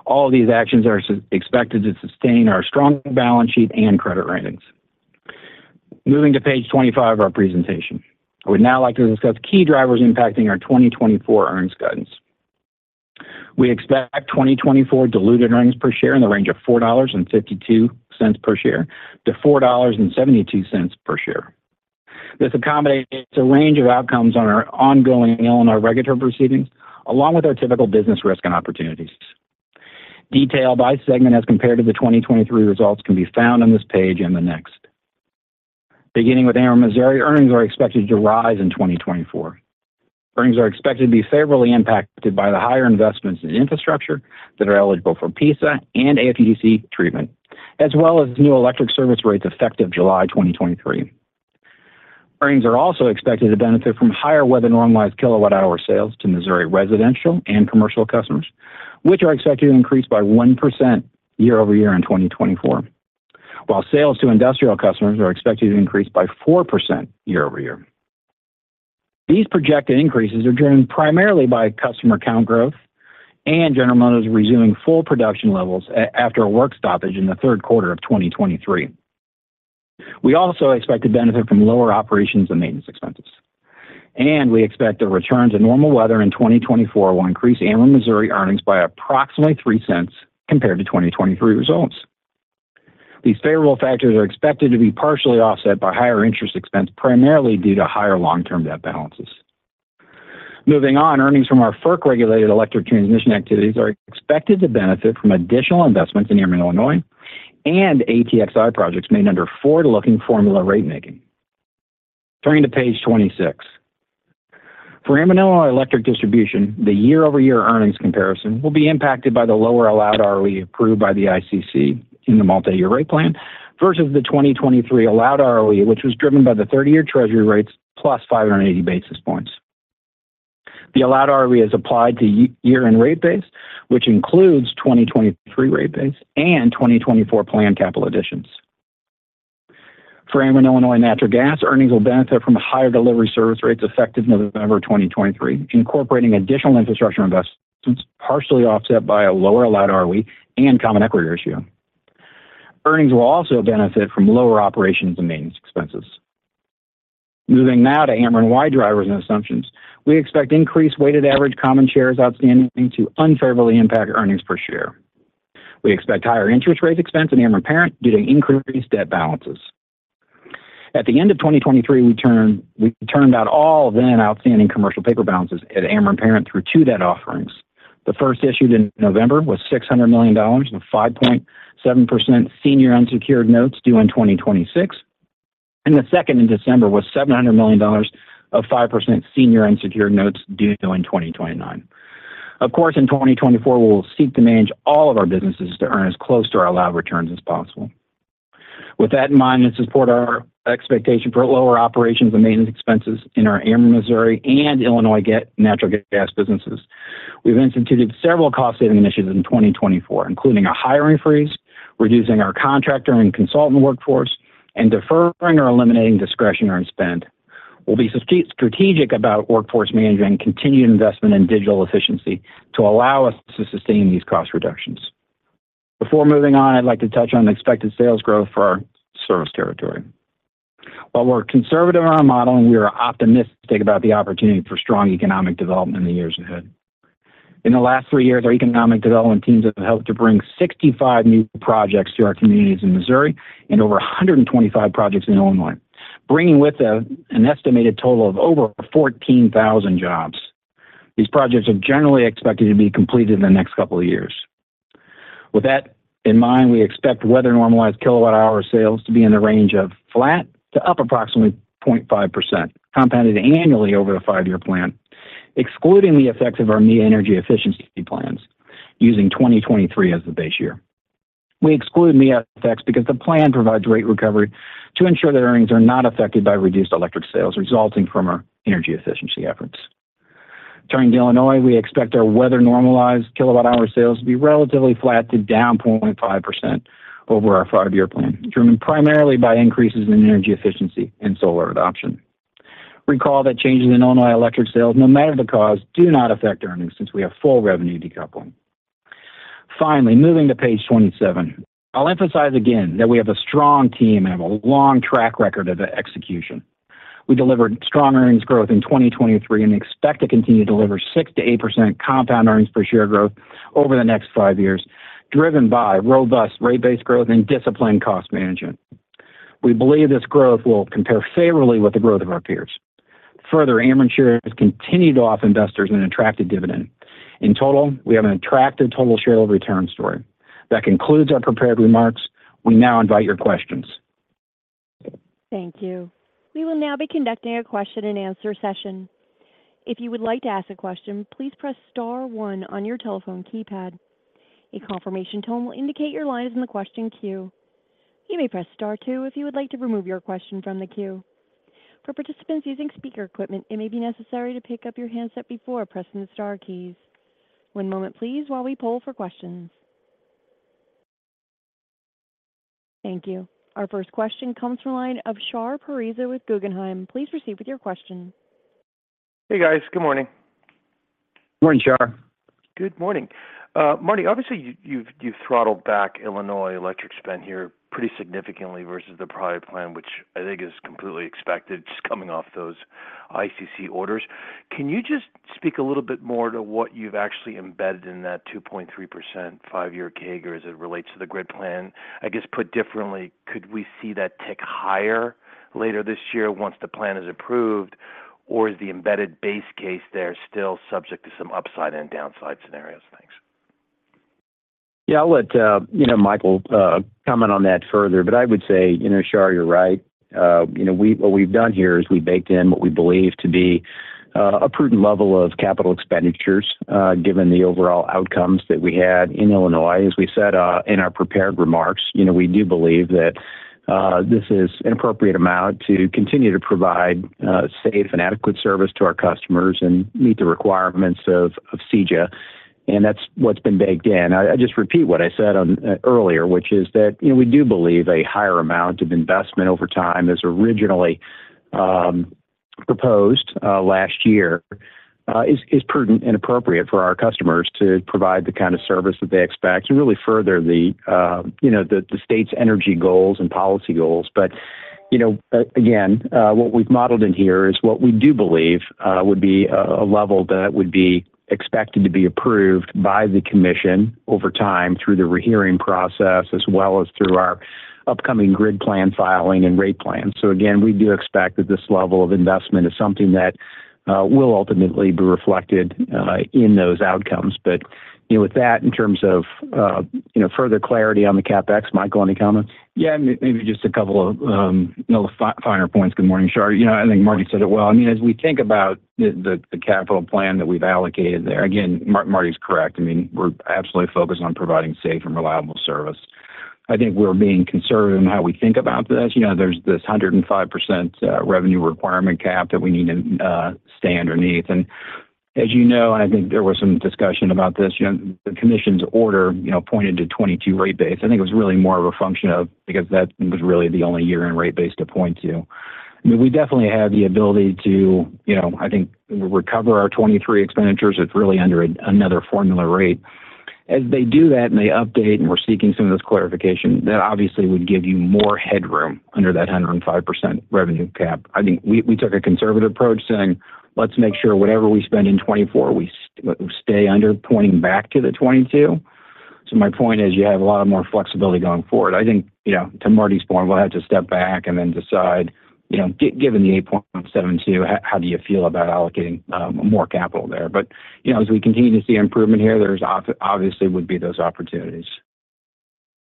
All of these actions are expected to sustain our strong balance sheet and credit ratings. Moving to page 25 of our presentation. I would now like to discuss key drivers impacting our 2024 earnings guidance. We expect 2024 diluted earnings per share in the range of $4.52 to $4.72 per share. This accommodates a range of outcomes on our ongoing Illinois regulatory proceedings, along with our typical business risk and opportunities. Details by segment as compared to the 2023 results can be found on this page and the next. Beginning with Ameren Missouri, earnings are expected to rise in 2024. Earnings are expected to be favorably impacted by the higher investments in infrastructure that are eligible for PISA and AFUDC treatment, as well as new electric service rates effective July 2023. Earnings are also expected to benefit from higher weather-normalized kilowatt-hour sales to Missouri residential and commercial customers, which are expected to increase by 1% year-over-year in 2024, while sales to industrial customers are expected to increase by 4% year-over-year. These projected increases are driven primarily by customer count growth and General Motors resuming full production levels after a work stoppage in the third quarter of 2023. We also expect to benefit from lower operations and maintenance expenses, and we expect a return to normal weather in 2024 will increase Ameren Missouri earnings by approximately $0.03 compared to 2023 results. These favorable factors are expected to be partially offset by higher interest expense, primarily due to higher long-term debt balances. Moving on, earnings from our FERC-regulated electric transmission activities are expected to benefit from additional investments in Ameren Illinois and ATXI projects made under forward-looking formula rate making. Turning to page 26. For Ameren Illinois Electric Distribution, the year-over-year earnings comparison will be impacted by the lower allowed ROE approved by the ICC in the multi-year rate plan versus the 2023 allowed ROE, which was driven by the 30-year Treasury rates plus 580 basis points. The allowed ROE is applied to year-end rate base, which includes 2023 rate base and 2024 planned capital additions. For Ameren Illinois Natural Gas, earnings will benefit from higher delivery service rates effective November 2023, incorporating additional infrastructure investments, partially offset by a lower allowed ROE and common equity issue. Earnings will also benefit from lower operations and maintenance expenses. Moving now to Ameren-wide drivers and assumptions. We expect increased weighted average common shares outstanding to unfavorably impact earnings per share. We expect higher interest expense in Ameren Parent due to increased debt balances. At the end of 2023, we turned out all then outstanding commercial paper balances at Ameren Parent through two debt offerings. The first, issued in November, was $600 million of 5.7% senior unsecured notes due in 2026, and the second in December, was $700 million of 5% senior unsecured notes due in 2029. Of course, in 2024, we will seek to manage all of our businesses to earn as close to our allowed returns as possible. With that in mind, and to support our expectation for lower operations and maintenance expenses in our Ameren Missouri and Illinois Natural Gas businesses, we've instituted several cost-saving initiatives in 2024, including a hiring freeze, reducing our contractor and consultant workforce, and deferring or eliminating discretionary spend. We'll be strategic about workforce management and continued investment in digital efficiency to allow us to sustain these cost reductions. Before moving on, I'd like to touch on the expected sales growth for our service territory. While we're conservative in our model, and we are optimistic about the opportunity for strong economic development in the years ahead. In the last three years, our economic development teams have helped to bring 65 new projects to our communities in Missouri and over 125 projects in Illinois, bringing with them an estimated total of over 14,000 jobs. These projects are generally expected to be completed in the next couple of years. With that in mind, we expect weather-normalized kilowatt-hour sales to be in the range of flat to up approximately 0.5%, compounded annually over the five-year plan, excluding the effects of our MEEIA energy efficiency plans, using 2023 as the base year. We exclude MEEIA effects because the plan provides rate recovery to ensure that earnings are not affected by reduced electric sales resulting from our energy efficiency efforts. Turning to Illinois, we expect our weather-normalized kilowatt-hour sales to be relatively flat to down 0.5% over our five-year plan, driven primarily by increases in energy efficiency and solar adoption. Recall that changes in Illinois electric sales, no matter the cause, do not affect earnings, since we have full revenue decoupling. Finally, moving to page 27. I'll emphasize again that we have a strong team and have a long track record of execution. We delivered strong earnings growth in 2023 and expect to continue to deliver 6% to 8% compound earnings per share growth over the next five years, driven by robust rate-based growth and disciplined cost management. We believe this growth will compare favorably with the growth of our peers. Further, Ameren shares continued to offer investors an attractive dividend. In total, we have an attractive total share of return story. That concludes our prepared remarks. We now invite your questions. Thank you. We will now be conducting a question-and-answer session. If you would like to ask a question, please press star one on your telephone keypad. A confirmation tone will indicate your line is in the question queue. You may press star two if you would like to remove your question from the queue. For participants using speaker equipment, it may be necessary to pick up your handset before pressing the star keys. One moment, please, while we poll for questions. Thank you. Our first question comes from the line of Shahriar Pourreza with Guggenheim. Please proceed with your question. Hey, guys. Good morning. Good morning, Shar. Good morning. Marty, obviously, you've throttled back Illinois electric spend here pretty significantly versus the prior plan, which I think is completely expected, just coming off those ICC orders. Can you just speak a little bit more to what you've actually embedded in that 2.3% five-year CAGR as it relates to the grid plan? I guess, put differently, could we see that tick higher later this year once the plan is approved, or is the embedded base case there still subject to some upside and downside scenarios? Thanks. Yeah, I'll let you know, Michael, comment on that further, but I would say, you know, Shar, you're right. You know, what we've done here is we baked in what we believe to be a prudent level of capital expenditures, given the overall outcomes that we had in Illinois. As we said in our prepared remarks, you know, we do believe that this is an appropriate amount to continue to provide safe and adequate service to our customers and meet the requirements of CEJA, and that's what's been baked in. I just repeat what I said on earlier, which is that, you know, we do believe a higher amount of investment over time is originally... proposed last year is prudent and appropriate for our customers to provide the kind of service that they expect and really further you know the state's energy goals and policy goals. But, you know, again, what we've modeled in here is what we do believe would be a level that would be expected to be approved by the commission over time through the rehearing process, as well as through our upcoming grid plan filing and rate plan. So again, we do expect that this level of investment is something that will ultimately be reflected in those outcomes. But, you know, with that, in terms of you know further clarity on the CapEx, Michael, any comments? Yeah, maybe just a couple of little finer points. Good morning, Shar. You know, I think Marty said it well. I mean, as we think about the capital plan that we've allocated there, again, Marty's correct. I mean, we're absolutely focused on providing safe and reliable service. I think we're being conservative in how we think about this. You know, there's this 105% revenue requirement cap that we need to stay underneath. And as you know, and I think there was some discussion about this, you know, the commission's order, you know, pointed to 2022 rate base. I think it was really more of a function of because that was really the only year-end rate base to point to. I mean, we definitely have the ability to, you know, I think, recover our 2023 expenditures. It's really under another formula rate. As they do that, and they update, and we're seeking some of this clarification, that obviously would give you more headroom under that 105% revenue cap. I think we took a conservative approach, saying: Let's make sure whatever we spend in 2024, we stay under, pointing back to the 2022. So my point is, you have a lot more flexibility going forward. I think, you know, to Marty's point, we'll have to step back and then decide, you know, given the 8.72, how do you feel about allocating more capital there? But, you know, as we continue to see improvement here, there's obviously would be those opportunities.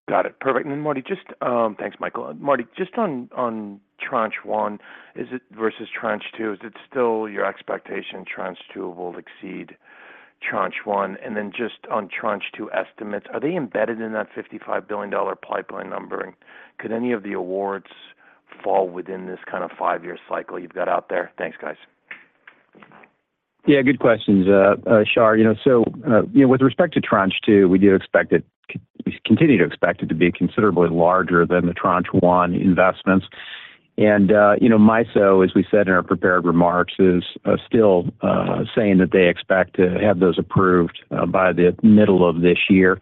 Got it. Perfect. And then, Marty, just, Thanks, Michael. Marty, just on Tranche 1, is it—versus Tranche 2, is it still your expectation Tranche 2 will exceed Tranche 1? And then just on Tranche 2 estimates, are they embedded in that $55 billion pipeline numbering? Could any of the awards fall within this kind of five-year cycle you've got out there? Thanks, guys. Yeah, good questions, Shar. You know, so, you know, with respect to Tranche 2, we do expect it, we continue to expect it to be considerably larger than the Tranche 1 investments. And, you know, MISO, as we said in our prepared remarks, is still saying that they expect to have those approved by the middle of this year.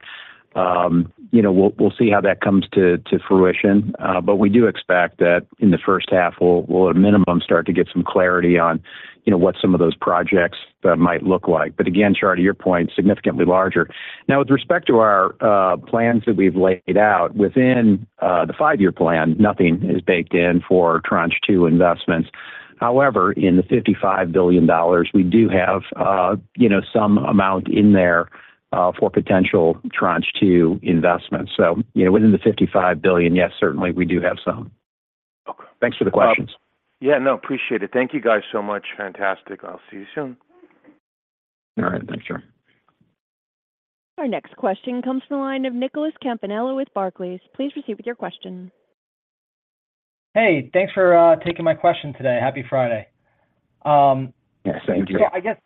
You know, we'll see how that comes to fruition, but we do expect that in the first half, we'll at a minimum start to get some clarity on, you know, what some of those projects might look like. But again, Shar, to your point, significantly larger. Now, with respect to our plans that we've laid out, within the five-year plan, nothing is baked in for Tranche 2 investments. However, in the $55 billion, we do have, you know, some amount in there for potential Tranche 2 investments. So, you know, within the $55 billion, yes, certainly we do have some. Okay. Thanks for the questions. Yeah, no, appreciate it. Thank you guys so much. Fantastic. I'll see you soon. All right. Thanks, Shar. Our next question comes from the line of Nicholas Campanella with Barclays. Please proceed with your question. Hey, thanks for taking my question today. Happy Friday. Yes, thank you. So I guess,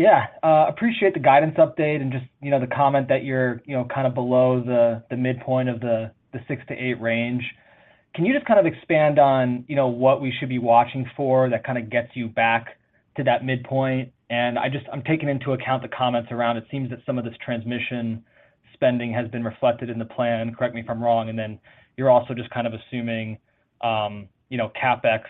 yeah, I appreciate the guidance update and just, you know, the comment that you're, you know, kind of below the midpoint of the 6% to 8% range. Can you just kind of expand on, you know, what we should be watching for that kind of gets you back to that midpoint? And I just—I'm taking into account the comments around, it seems that some of this transmission spending has been reflected in the plan. Correct me if I'm wrong, and then you're also just kind of assuming, you know, CapEx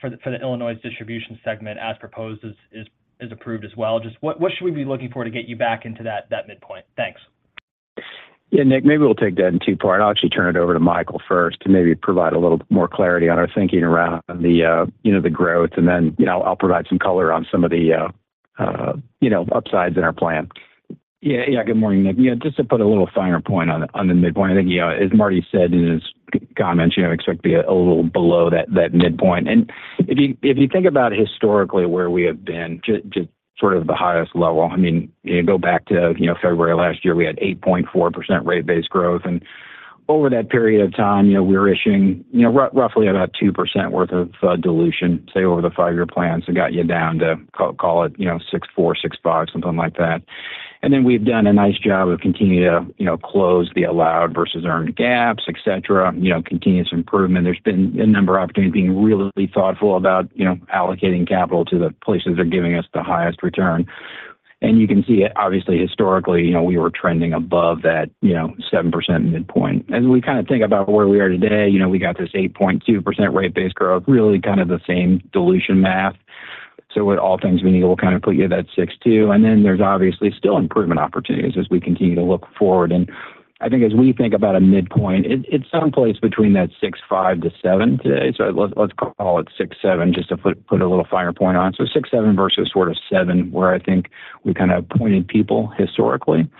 for the Illinois distribution segment as proposed is approved as well. Just what should we be looking for to get you back into that midpoint? Thanks. Yeah, Nick, maybe we'll take that in two parts. I'll actually turn it over to Michael first to maybe provide a little more clarity on our thinking around the, you know, the growth, and then, you know, I'll provide some color on some of the, you know, upsides in our plan. Yeah, yeah. Good morning, Nick. Yeah, just to put a little finer point on the midpoint, I think, you know, as Marty said in his comments, you know, expect to be a little below that midpoint. If you, if you think about historically where we have been, just sort of the highest level, I mean, you go back to, you know, February of last year, we had 8.4% rate base growth, and over that period of time, you know, we're issuing, you know, roughly about 2% worth of dilution, say, over the five-year plans that got you down to call it, you know, 6.4%, 6.5%, something like that. And then we've done a nice job of continuing to, you know, close the allowed versus earned gaps, et cetera, you know, continuous improvement. There's been a number of opportunities being really thoughtful about, you know, allocating capital to the places that are giving us the highest return. And you can see, obviously, historically, you know, we were trending above that, you know, 7% midpoint. As we kind of think about where we are today, you know, we got this 8.2% rate base growth, really kind of the same dilution math. So with all things being equal, we'll kind of put you at that 6.2. And then there's obviously still improvement opportunities as we continue to look forward. And I think as we think about a midpoint, it, it's someplace between that 6.5% to 7% today. So let's, let's call it 6.7%, just to put, put a little finer point on. So 6.7% versus sort of 7%, where I think we kind of pointed people historically.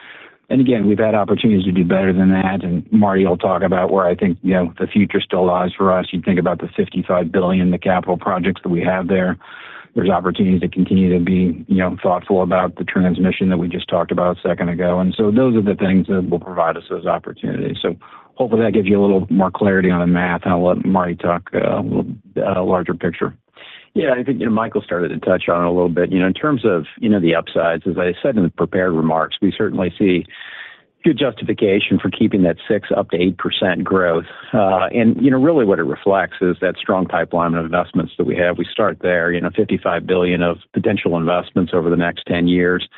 And again, we've had opportunities to do better than that, and Marty will talk about where I think, you know, the future still lies for us. You think about the $55 billion, the capital projects that we have there. There's opportunities to continue to be, you know, thoughtful about the transmission that we just talked about a second ago. And so those are the things that will provide us those opportunities. So hopefully that gives you a little more clarity on the math, and I'll let Marty talk a little larger picture. Yeah, I think, you know, Michael started to touch on it a little bit. You know, in terms of, you know, the upsides, as I said in the prepared remarks, we certainly see good justification for keeping that 6% to 8% growth. And, you know, really what it reflects is that strong pipeline of investments that we have. We start there, you know, $55 billion of potential investments over the next 10 years.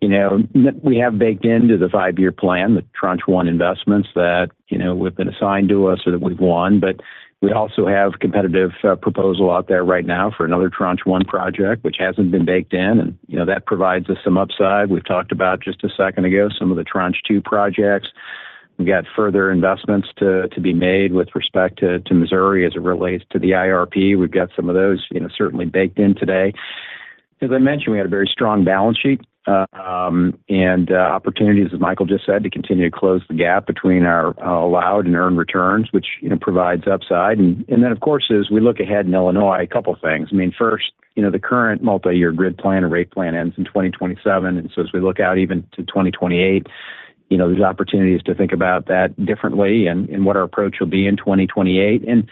You know, we have baked into the five-year plan, the Tranche 1 investments that, you know, have been assigned to us or that we've won. But we also have competitive proposal out there right now for another Tranche 1 project, which hasn't been baked in, and, you know, that provides us some upside. We've talked about, just a second ago, some of the Tranche 2 projects. We've got further investments to be made with respect to Missouri as it relates to the IRP. We've got some of those, you know, certainly baked in today. As I mentioned, we had a very strong balance sheet and opportunities, as Michael just said, to continue to close the gap between our allowed and earned returns, which, you know, provides upside. And then, of course, as we look ahead in Illinois, a couple of things. I mean, first, you know, the current multi-year grid plan and rate plan ends in 2027, and so as we look out even to 2028, you know, there's opportunities to think about that differently and, and what our approach will be in 2028. And,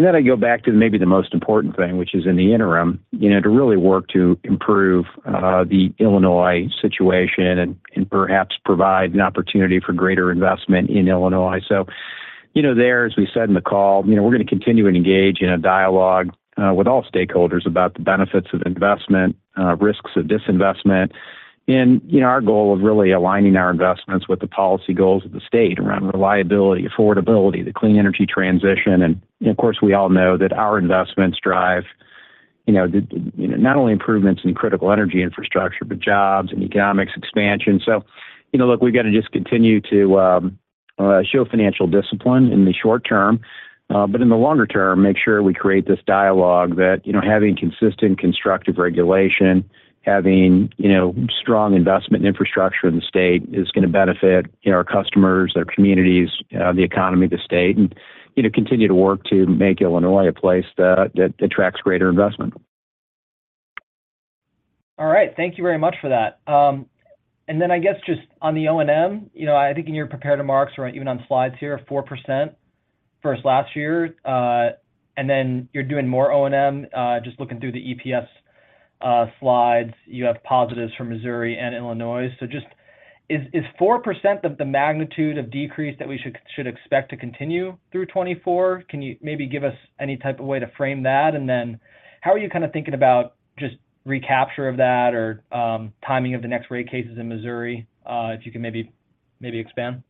and then I go back to maybe the most important thing, which is in the interim, you know, to really work to improve the Illinois situation and, and perhaps provide an opportunity for greater investment in Illinois. So, you know, there, as we said in the call, you know, we're going to continue to engage in a dialogue with all stakeholders about the benefits of investment, risks of disinvestment, and, you know, our goal of really aligning our investments with the policy goals of the state around reliability, affordability, the clean energy transition. And of course, we all know that our investments drive, you know, the, you know, not only improvements in critical energy infrastructure, but jobs and economics expansion. So, you know, look, we've got to just continue to show financial discipline in the short term, but in the longer term, make sure we create this dialogue that, you know, having consistent, constructive regulation, having, you know, strong investment infrastructure in the state is going to benefit, you know, our customers, their communities, the economy of the state, and, you know, continue to work to make Illinois a place that attracts greater investment. All right. Thank you very much for that. And then I guess just on the O&M, you know, I think in your prepared remarks, or even on slides here, 4% versus last year, and then you're doing more O&M, just looking through the EPS, slides, you have positives from Missouri and Illinois. So just is four percent of the magnitude of decrease that we should expect to continue through 2024? Can you maybe give us any type of way to frame that? And then how are you kind of thinking about just recapture of that or, timing of the next rate cases in Missouri, if you can maybe expand?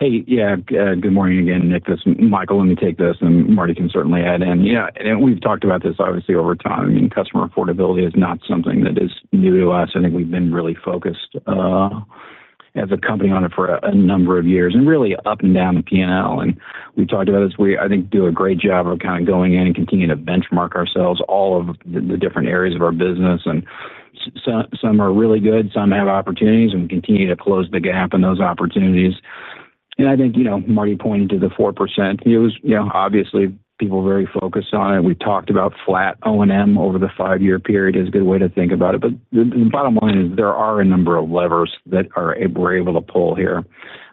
Hey, yeah. Good morning again, Nick. This is Michael. Let me take this, and Marty can certainly add in. Yeah, and we've talked about this obviously over time. I mean, customer affordability is not something that is new to us. I think we've been really focused as a company on it for a number of years, and really up and down the P&L. And we talked about this. We, I think, do a great job of kind of going in and continuing to benchmark ourselves, all of the different areas of our business, and some are really good, some have opportunities, and we continue to close the gap on those opportunities. And I think, you know, Marty pointed to the 4%. It was, you know, obviously, people are very focused on it. We talked about flat O&M over the five-year period as a good way to think about it. But the bottom line is there are a number of levers that we're able to pull here.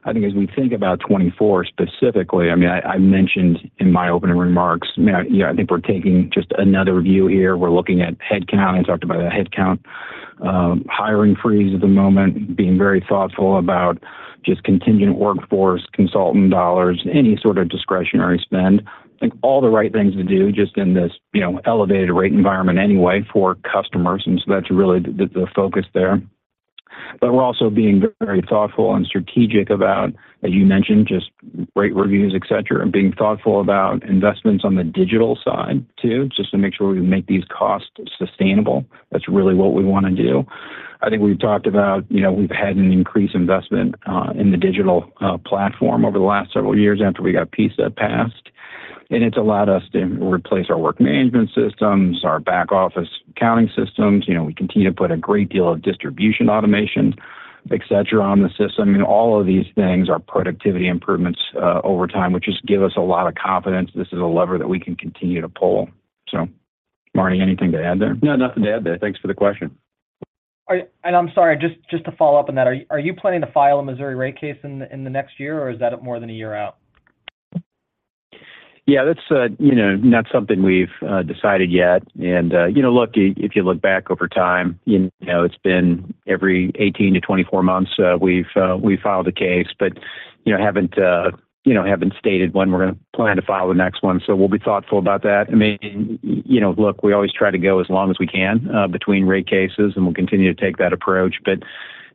I think as we think about 2024 specifically, I mean, I mentioned in my opening remarks, I mean, you know, I think we're taking just another review here. We're looking at headcount. I talked about the headcount hiring freeze at the moment, being very thoughtful about just contingent workforce, consultant dollars, any sort of discretionary spend. I think all the right things to do just in this, you know, elevated rate environment anyway for customers, and so that's really the focus there. But we're also being very thoughtful and strategic about, as you mentioned, just rate reviews, et cetera, and being thoughtful about investments on the digital side too, just to make sure we make these costs sustainable. That's really what we want to do. I think we've talked about, you know, we've had an increased investment in the digital platform over the last several years after we got PSA passed, and it's allowed us to replace our work management systems, our back-office accounting systems. You know, we continue to put a great deal of distribution automation, et cetera, on the system. And all of these things are productivity improvements over time, which just give us a lot of confidence this is a lever that we can continue to pull. So, Marty, anything to add there? No, nothing to add there. Thanks for the question. I'm sorry, just, just to follow up on that, are you, are you planning to file a Missouri rate case in the next year, or is that more than a year out? Yeah, that's, you know, not something we've decided yet. And, you know, look, if you look back over time, you know, it's been every 18 to 24 months, we've filed a case, but, you know, haven't stated when we're going to plan to file the next one. So we'll be thoughtful about that. I mean, you know, look, we always try to go as long as we can, between rate cases, and we'll continue to take that approach, but,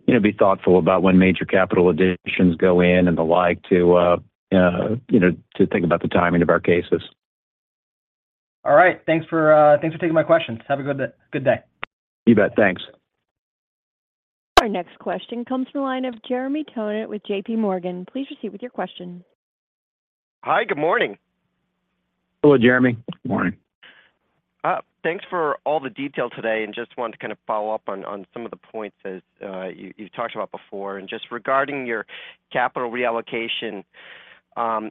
you know, be thoughtful about when major capital additions go in and the like to, you know, to think about the timing of our cases. All right. Thanks for taking my questions. Have a good good day. You bet. Thanks. Our next question comes from the line of Jeremy Tonet with J.P. Morgan. Please proceed with your question. Hi, good morning. Hello, Jeremy. Morning. Thanks for all the detail today, and just wanted to kind of follow up on, on some of the points that, you, you talked about before. And just regarding your capital reallocation,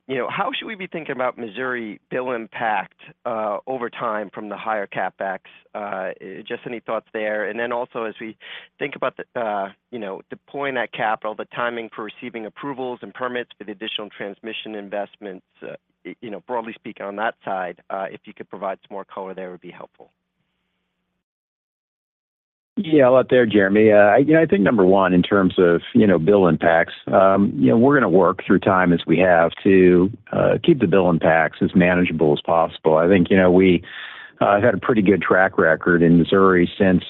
you know, how should we be thinking about Missouri bill impact, over time from the higher CapEx? Just any thoughts there. And then also, as we think about the, you know, deploying that capital, the timing for receiving approvals and permits for the additional transmission investments, you know, broadly speaking, on that side, if you could provide some more color there, would be helpful. Yeah, out there, Jeremy. You know, I think number one, in terms of, you know, bill impacts, you know, we're going to work through time as we have to keep the bill impacts as manageable as possible. I think, you know, we had a pretty good track record in Missouri since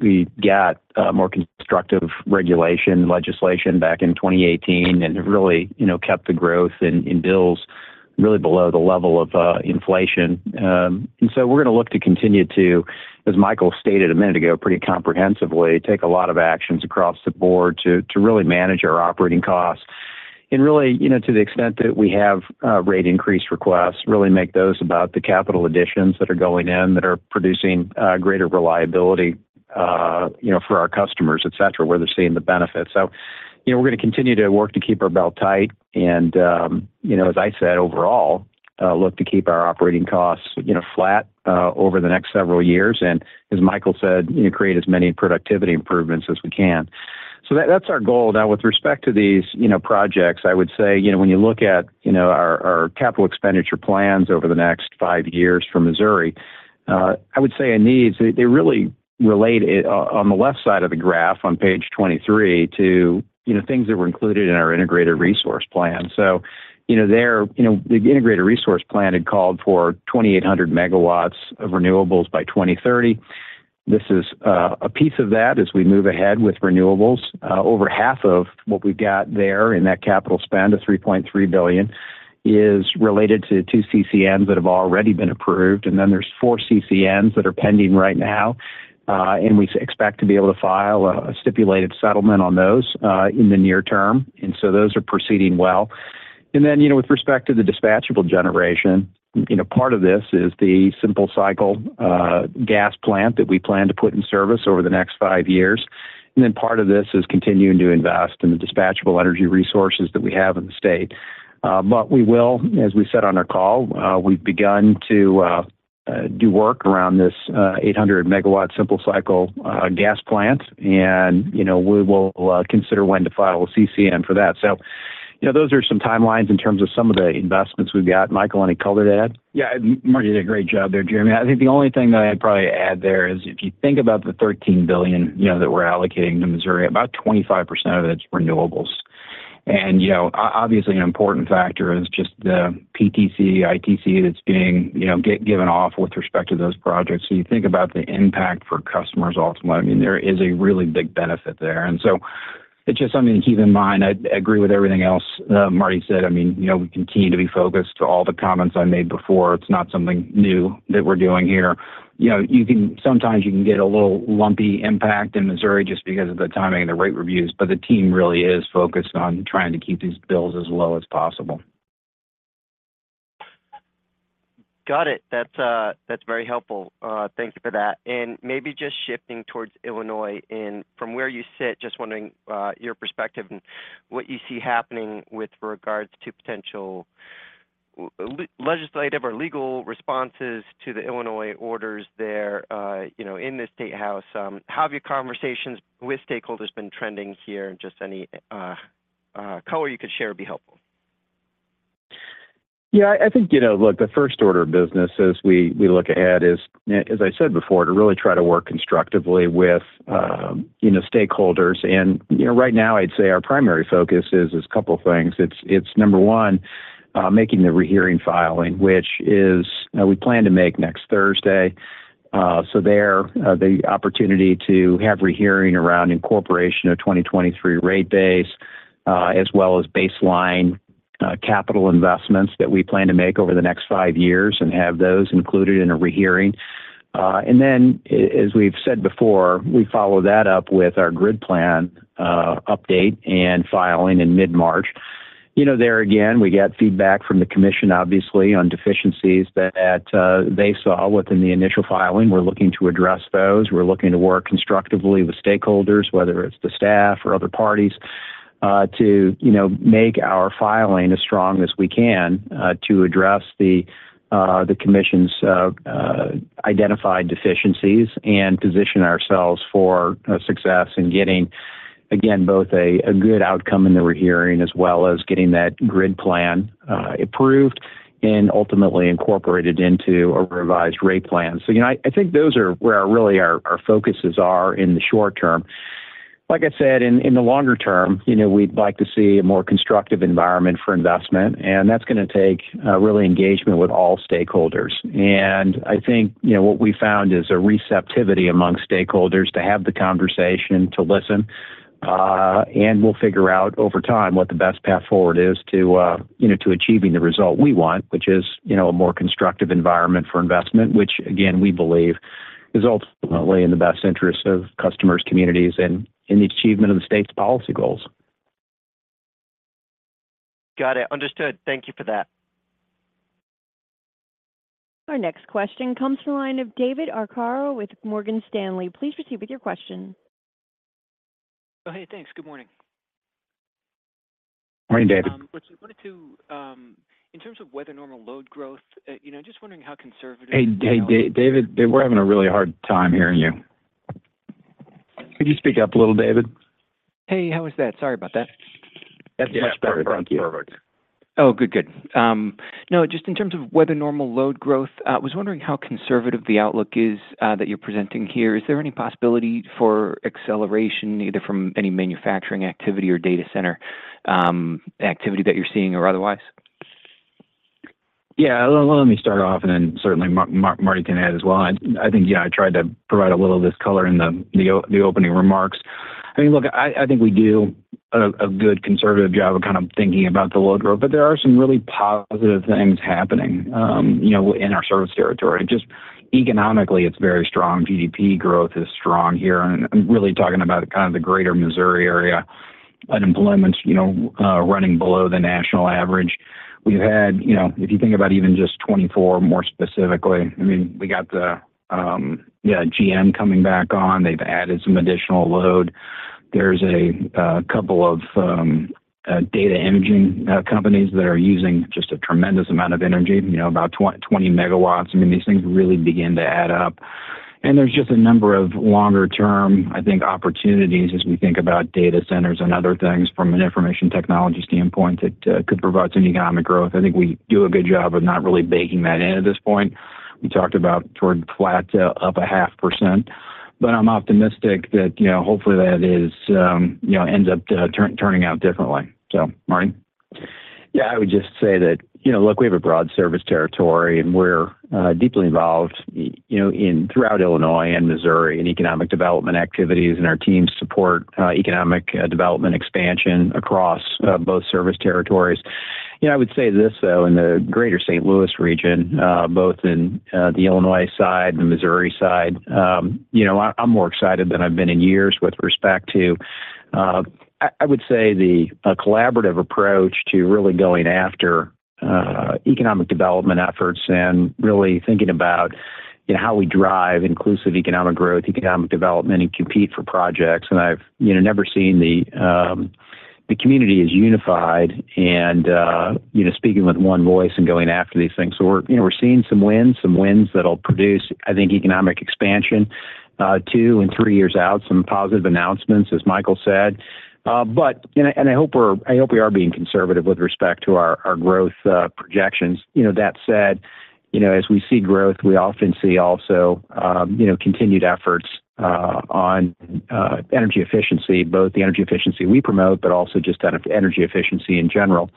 we got more constructive regulation legislation back in 2018, and it really, you know, kept the growth in bills really below the level of inflation. And so we're going to look to continue to, as Michael stated a minute ago, pretty comprehensively, take a lot of actions across the board to really manage our operating costs. Really, you know, to the extent that we have rate increase requests, really make those about the capital additions that are going in, that are producing greater reliability, you know, for our customers, et cetera, where they're seeing the benefits. So, you know, we're going to continue to work to keep our belt tight and, you know, as I said, overall, look to keep our operating costs, you know, flat over the next several years, and as Michael said, you know, create as many productivity improvements as we can. So that-that's our goal. Now, with respect to these, you know, projects, I would say, you know, when you look at, you know, our capital expenditure plans over the next five years for Missouri, I would say our needs, they really relate on the left side of the graph on page 23, to, you know, things that were included in our Integrated Resource Plan. So, you know, there, you know, the Integrated Resource Plan had called for 2,800 MW of renewables by 2030. This is a piece of that as we move ahead with renewables. Over half of what we've got there in that capital spend of $3.3 billion is related to two CCNs that have already been approved. Then there's four CCNs that are pending right now, and we expect to be able to file a stipulated settlement on those, in the near term. And so those are proceeding well. And then, you know, with respect to the dispatchable generation, you know, part of this is the simple cycle gas plant that we plan to put in service over the next five years. And then part of this is continuing to invest in the dispatchable energy resources that we have in the state. But we will, as we said on our call, we've begun to do work around this 800 MW simple cycle gas plant, and, you know, we will consider when to file a CCN for that. So, you know, those are some timelines in terms of some of the investments we've got. Michael, any color to add? Yeah, Marty did a great job there, Jeremy. I think the only thing that I'd probably add there is, if you think about the $13 billion, you know, that we're allocating to Missouri, about 25% of it is renewables. And, you know, obviously, an important factor is just the PTC, ITC, that's being, you know, given off with respect to those projects. So you think about the impact for customers ultimately, I mean, there is a really big benefit there. And so it's just something to keep in mind. I agree with everything else, Marty said. I mean, you know, we continue to be focused to all the comments I made before. It's not something new that we're doing here. You know, sometimes you can get a little lumpy impact in Missouri just because of the timing and the rate reviews, but the team really is focused on trying to keep these bills as low as possible. Got it. That's, that's very helpful. Thank you for that. And maybe just shifting towards Illinois, and from where you sit, just wondering, your perspective and what you see happening with regards to potential legislative or legal responses to the Illinois orders there, you know, in the State House. How have your conversations with stakeholders been trending here, and just any, color you could share would be helpful? Yeah, I think, you know, look, the first order of business as we look ahead is, as I said before, to really try to work constructively with, you know, stakeholders. And, you know, right now, I'd say our primary focus is a couple of things. It's number one, making the rehearing filing, which is we plan to make next Thursday. So there, the opportunity to have rehearing around incorporation of 2023 rate base, as well as baseline capital investments that we plan to make over the next five years and have those included in a rehearing. And then, as we've said before, we follow that up with our grid plan update and filing in mid-March. You know, there again, we get feedback from the commission, obviously, on deficiencies that they saw within the initial filing. We're looking to address those. We're looking to work constructively with stakeholders, whether it's the staff or other parties, to, you know, make our filing as strong as we can, to address the, the commission's identified deficiencies and position ourselves for, success in getting, again, both a good outcome in the rehearing, as well as getting that grid plan, approved and ultimately incorporated into a revised rate plan. So, you know, I think those are where really our focuses are in the short term. Like I said, in the longer term, you know, we'd like to see a more constructive environment for investment, and that's going to take, really engagement with all stakeholders. I think, you know, what we found is a receptivity among stakeholders to have the conversation, to listen, and we'll figure out over time what the best path forward is to, you know, to achieving the result we want, which is, you know, a more constructive environment for investment, which again, we believe is ultimately in the best interest of customers, communities, and in the achievement of the state's policy goals. Got it. Understood. Thank you for that. Our next question comes from the line of David Arcaro with Morgan Stanley. Please proceed with your question. Hey, thanks. Good morning. Morning, David. I just wanted to, in terms of whether normal load growth, you know, just wondering how conservative- Hey, hey, David, we're having a really hard time hearing you. Could you speak up a little, David? Hey, how is that? Sorry about that. That's much better. Thank you. Perfect. Oh, good, good. Now, just in terms of whether normal load growth, I was wondering how conservative the outlook is, that you're presenting here. Is there any possibility for acceleration, either from any manufacturing activity or data center activity that you're seeing or otherwise? Yeah, let me start off, and then certainly Marty can add as well. I think, yeah, I tried to provide a little of this color in the opening remarks. I mean, look, I think we do a good conservative job of kind of thinking about the load growth, but there are some really positive things happening, you know, in our service territory. Just economically, it's very strong. GDP growth is strong here, and I'm really talking about kind of the greater Missouri area. Unemployment's, you know, running below the national average. We've had, you know, if you think about even just 2024, more specifically, I mean, we got the, yeah, GM coming back on. They've added some additional load. There's a couple of data imaging companies that are using just a tremendous amount of energy, you know, about 20 MW. I mean, these things really begin to add up, and there's just a number of longer-term, I think, opportunities as we think about data centers and other things from an information technology standpoint that could provide some economic growth. I think we do a good job of not really baking that in at this point. We talked about toward flat to up 0.5%, but I'm optimistic that, you know, hopefully that is, you know, ends up turning out differently. So, Marty? Yeah, I would just say that, you know, look, we have a broad service territory, and we're deeply involved, you know, throughout Illinois and Missouri in economic development activities, and our teams support economic development expansion across both service territories. You know, I would say this, though, in the greater St. Louis region, both in the Illinois side and the Missouri side, you know, I, I'm more excited than I've been in years with respect to, I would say the collaborative approach to really going after economic development efforts and really thinking about, you know, how we drive inclusive economic growth, economic development, and compete for projects. And I've, you know, never seen the community as unified and, you know, speaking with one voice and going after these things. So we're, you know, we're seeing some wins, some wins that'll produce, I think, economic expansion, two and three years out, some positive announcements, as Michael said. But I hope we are being conservative with respect to our growth projections. You know, that said, you know, as we see growth, we often see also continued efforts on energy efficiency, both the energy efficiency we promote, but also just kind of energy efficiency in general,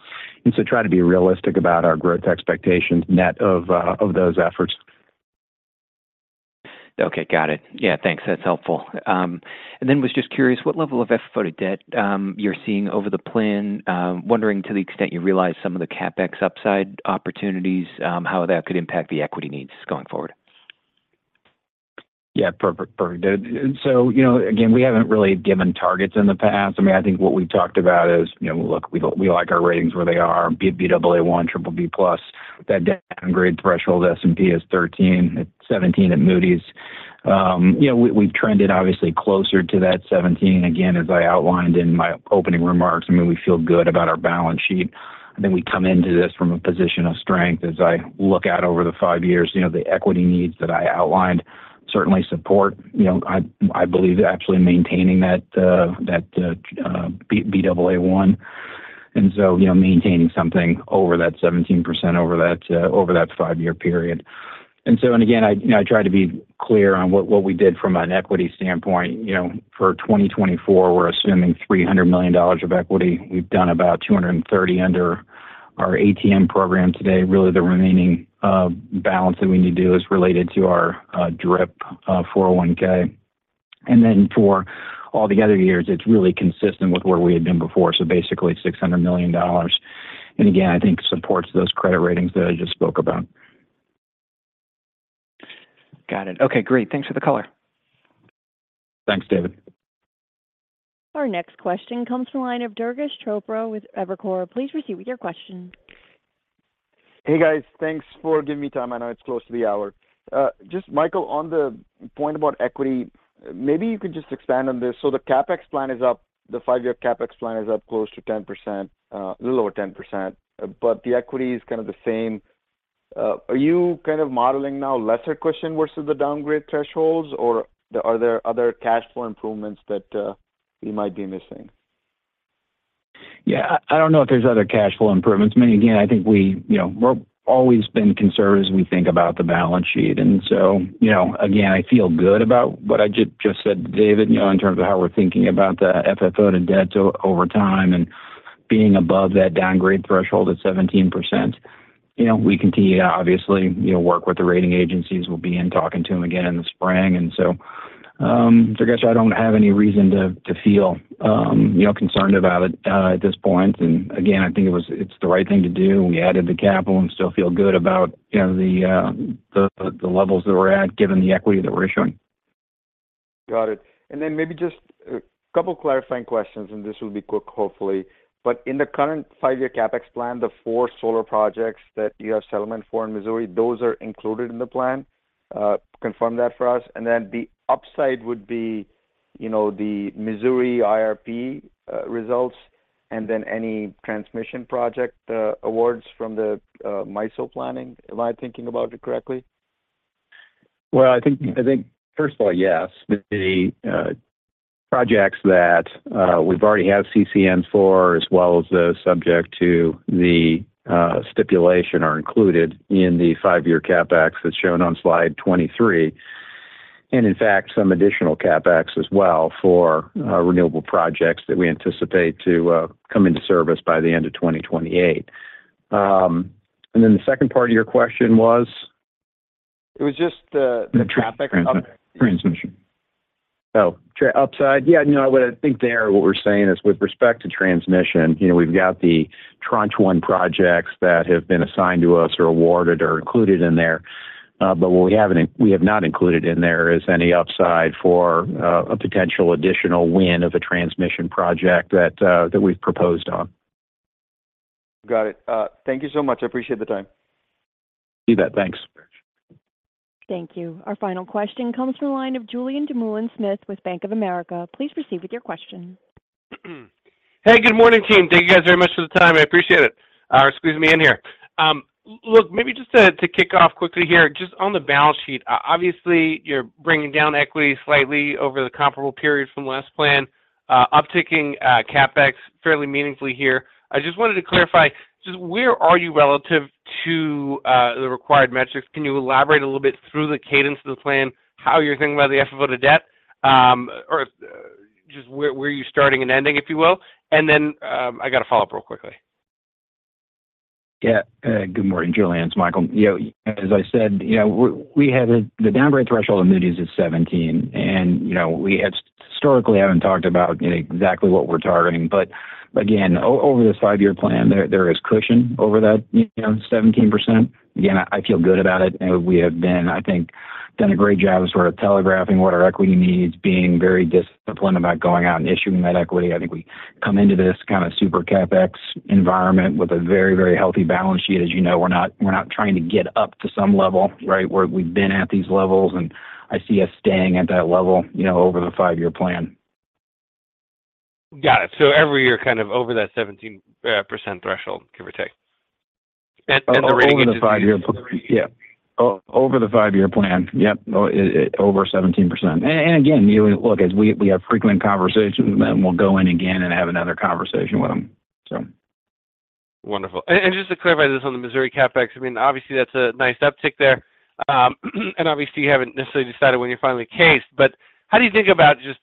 and so try to be realistic about our growth expectations, net of those efforts. Okay, got it. Yeah, thanks. That's helpful. And then was just curious, what level of FFO-to-debt you're seeing over the plan? Wondering, to the extent you realize some of the CapEx upside opportunities, how that could impact the equity needs going forward. Yeah, perfect, perfect. And so, you know, again, we haven't really given targets in the past. I mean, I think what we talked about is, you know, look, we, we like our ratings where they are, Baa1, BBB+, That downgrade threshold, S&P is 13%, it's 17% at Moody's. You know, we, we've trended obviously closer to that 17%. Again, as I outlined in my opening remarks, I mean, we feel good about our balance sheet, and then we come into this from a position of strength. As I look out over the five years, you know, the equity needs that I outlined certainly support, you know, I, I believe, actually maintaining that Baa1, and so, you know, maintaining something over that 17% over that five-year period. And again, I, you know, I tried to be clear on what we did from an equity standpoint. You know, for 2024, we're assuming $300 million of equity. We've done about $230 million under our ATM program today. Really, the remaining balance that we need to do is related to our DRIP, 401(k). And then for all the other years, it's really consistent with where we had been before, so basically $600 million, and again, I think supports those credit ratings that I just spoke about. Got it. Okay, great. Thanks for the color. Thanks, David. Our next question comes from the line of Durgesh Chopra with Evercore. Please proceed with your question. Hey, guys. Thanks for giving me time. I know it's close to the hour. Just Michael, on the point about equity, maybe you could just expand on this. So the CapEx plan is up, the five-year CapEx plan is up close to 10%, a little over 10%, but the equity is kind of the same. Are you kind of modeling now lesser question versus the downgrade thresholds, or are there other cash flow improvements that we might be missing? Yeah, I don't know if there's other cash flow improvements. I mean, again, I think we, you know, we've always been conservative as we think about the balance sheet. And so, you know, again, I feel good about what I just said to David, you know, in terms of how we're thinking about the FFO-to-debt over time and being above that downgrade threshold at 17%. You know, we continue to obviously, you know, work with the rating agencies. We'll be in talking to them again in the spring, and so, so I guess I don't have any reason to feel, you know, concerned about it at this point. And again, I think it's the right thing to do. We added the capital and still feel good about, you know, the levels that we're at, given the equity that we're issuing. Got it. And then maybe just a couple clarifying questions, and this will be quick, hopefully. But in the current five-year CapEx plan, the four solar projects that you have settlement for in Missouri, those are included in the plan? Confirm that for us. And then the upside would be, you know, the Missouri IRP results... and then any transmission project awards from the MISO planning? Am I thinking about it correctly? Well, I think, I think first of all, yes, the projects that we've already have CCNs for, as well as those subject to the stipulation, are included in the five-year CapEx that's shown on slide 23. And in fact, some additional CapEx as well for renewable projects that we anticipate to come into service by the end of 2028. And then the second part of your question was? It was just the traffic. The transmission upside? Yeah, no, what I think there, what we're saying is, with respect to transmission, you know, we've got the Tranche 1 projects that have been assigned to us or awarded or included in there. But what we have not included in there is any upside for a potential additional win of a transmission project that that we've proposed on. Got it. Thank you so much. I appreciate the time. See that. Thanks. Thank you. Our final question comes from the line of Julien Dumoulin-Smith with Bank of America. Please proceed with your question. Hey, good morning, team. Thank you guys very much for the time. I appreciate it for squeezing me in here. Look, maybe just to kick off quickly here, just on the balance sheet, obviously, you're bringing down equity slightly over the comparable period from last plan, upticking CapEx fairly meaningfully here. I just wanted to clarify, just where are you relative to the required metrics? Can you elaborate a little bit through the cadence of the plan, how you're thinking about the FFO-to-debt? Or just where are you starting and ending, if you will. And then, I got a follow-up real quickly. Yeah. Good morning, Julien, it's Michael. You know, as I said, you know, we have the down rate threshold in Moody's is 17, and, you know, we had historically haven't talked about, you know, exactly what we're targeting. But again, over this five-year plan, there is cushion over that, you know, 17%. Again, I feel good about it, and we have been, I think, done a great job as far as telegraphing what our equity needs, being very disciplined about going out and issuing that equity. I think we come into this kind of super-CapEx environment with a very, very healthy balance sheet. As you know, we're not, we're not trying to get up to some level, right? Where we've been at these levels, and I see us staying at that level, you know, over the five-year plan. Got it. So every year, kind of over that 17% threshold, give or take. And the rating- Over the five-year plan. Yeah. Over the five-year plan. Yep, over 17%. And, and again, you know, look, as we, we have frequent conversations, and we'll go in again and have another conversation with them, so. Wonderful. Just to clarify this on the Missouri CapEx, I mean, obviously, that's a nice uptick there. And obviously, you haven't necessarily decided when you're finally capped, but how do you think about just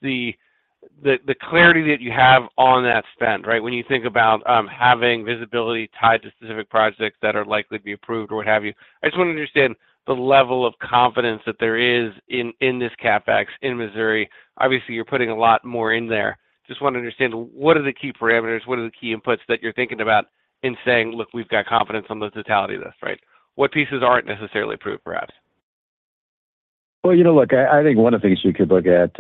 the clarity that you have on that spend, right? When you think about having visibility tied to specific projects that are likely to be approved or what have you. I just want to understand the level of confidence that there is in this CapEx in Missouri. Obviously, you're putting a lot more in there. Just want to understand, what are the key parameters, what are the key inputs that you're thinking about in saying, "Look, we've got confidence on the totality of this," right? What pieces aren't necessarily approved, perhaps? Well, you know, look, I think one of the things you could look at,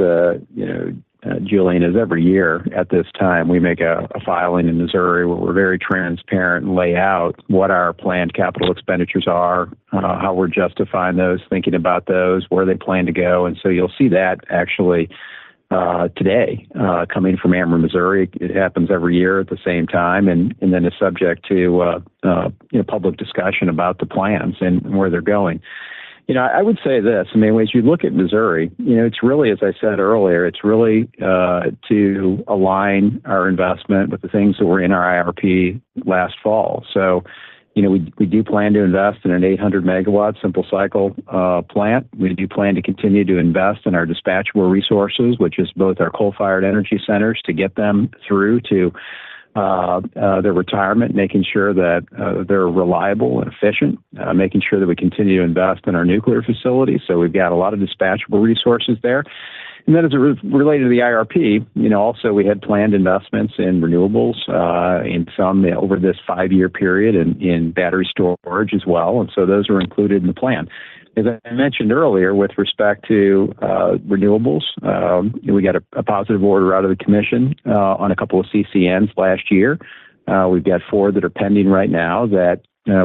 Julien, is every year at this time, we make a filing in Missouri, where we're very transparent and lay out what our planned capital expenditures are, how we're justifying those, thinking about those, where they plan to go. And so you'll see that actually, today, coming from Ameren Missouri. It happens every year at the same time, and then it's subject to, you know, public discussion about the plans and where they're going. You know, I would say this: I mean, as you look at Missouri, you know, it's really, as I said earlier, it's really, to align our investment with the things that were in our IRP last fall. So, you know, we do plan to invest in an 800-megawatt simple cycle plant. We do plan to continue to invest in our dispatchable resources, which is both our coal-fired energy centers, to get them through to their retirement, making sure that they're reliable and efficient, making sure that we continue to invest in our nuclear facilities. So we've got a lot of dispatchable resources there. And then, as it relates to the IRP, you know, also, we had planned investments in renewables, and some over this 5-year period in battery storage as well, and so those are included in the plan. As I mentioned earlier, with respect to renewables, we got a positive order out of the commission on a couple of CCNs last year. We've got four that are pending right now that,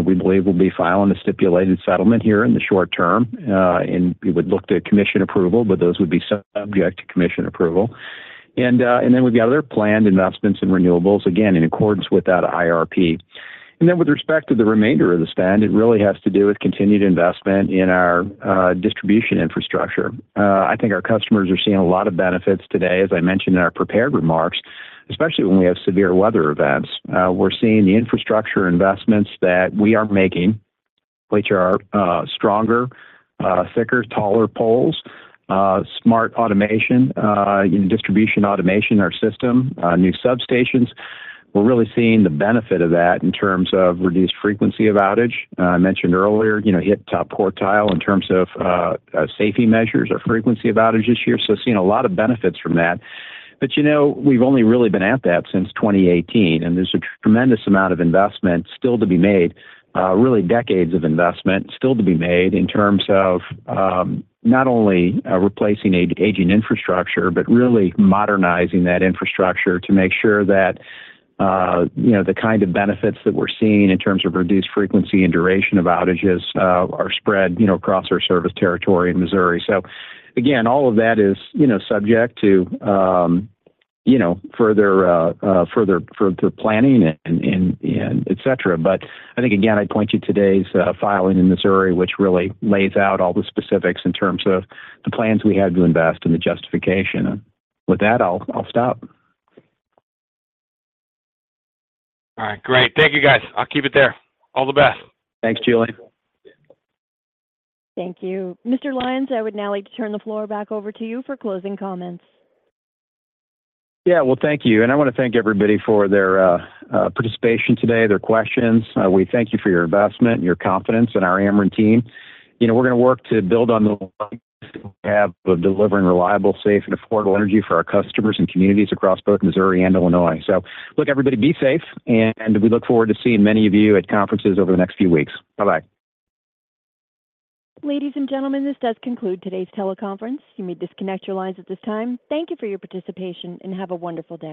we believe we'll be filing a stipulated settlement here in the short term, and we would look to commission approval, but those would be subject to commission approval. And then we've got other planned investments in renewables, again, in accordance with that IRP. And then, with respect to the remainder of the spend, it really has to do with continued investment in our, distribution infrastructure. I think our customers are seeing a lot of benefits today, as I mentioned in our prepared remarks, especially when we have severe weather events. We're seeing the infrastructure investments that we are making, which are, stronger, thicker, taller poles, smart automation, you know, distribution automation in our system, new substations. We're really seeing the benefit of that in terms of reduced frequency of outage. I mentioned earlier, you know, hit top quartile in terms of safety measures or frequency of outages this year, so seeing a lot of benefits from that. But, you know, we've only really been at that since 2018, and there's a tremendous amount of investment still to be made, really decades of investment still to be made in terms of not only replacing aging infrastructure, but really modernizing that infrastructure to make sure that, you know, the kind of benefits that we're seeing in terms of reduced frequency and duration of outages are spread, you know, across our service territory in Missouri. So again, all of that is, you know, subject to further planning and et cetera. I think, again, I'd point to today's filing in Missouri, which really lays out all the specifics in terms of the plans we had to invest and the justification. With that, I'll stop. All right. Great. Thank you, guys. I'll keep it there. All the best. Thanks, Julien. Thank you. Mr. Lyons, I would now like to turn the floor back over to you for closing comments. Yeah, well, thank you, and I want to thank everybody for their participation today, their questions. We thank you for your investment and your confidence in our Ameren team. You know, we're going to work to build on the... we have of delivering reliable, safe, and affordable energy for our customers and communities across both Missouri and Illinois. So look, everybody, be safe, and we look forward to seeing many of you at conferences over the next few weeks. Bye-bye. Ladies and gentlemen, this does conclude today's teleconference. You may disconnect your lines at this time. Thank you for your participation, and have a wonderful day.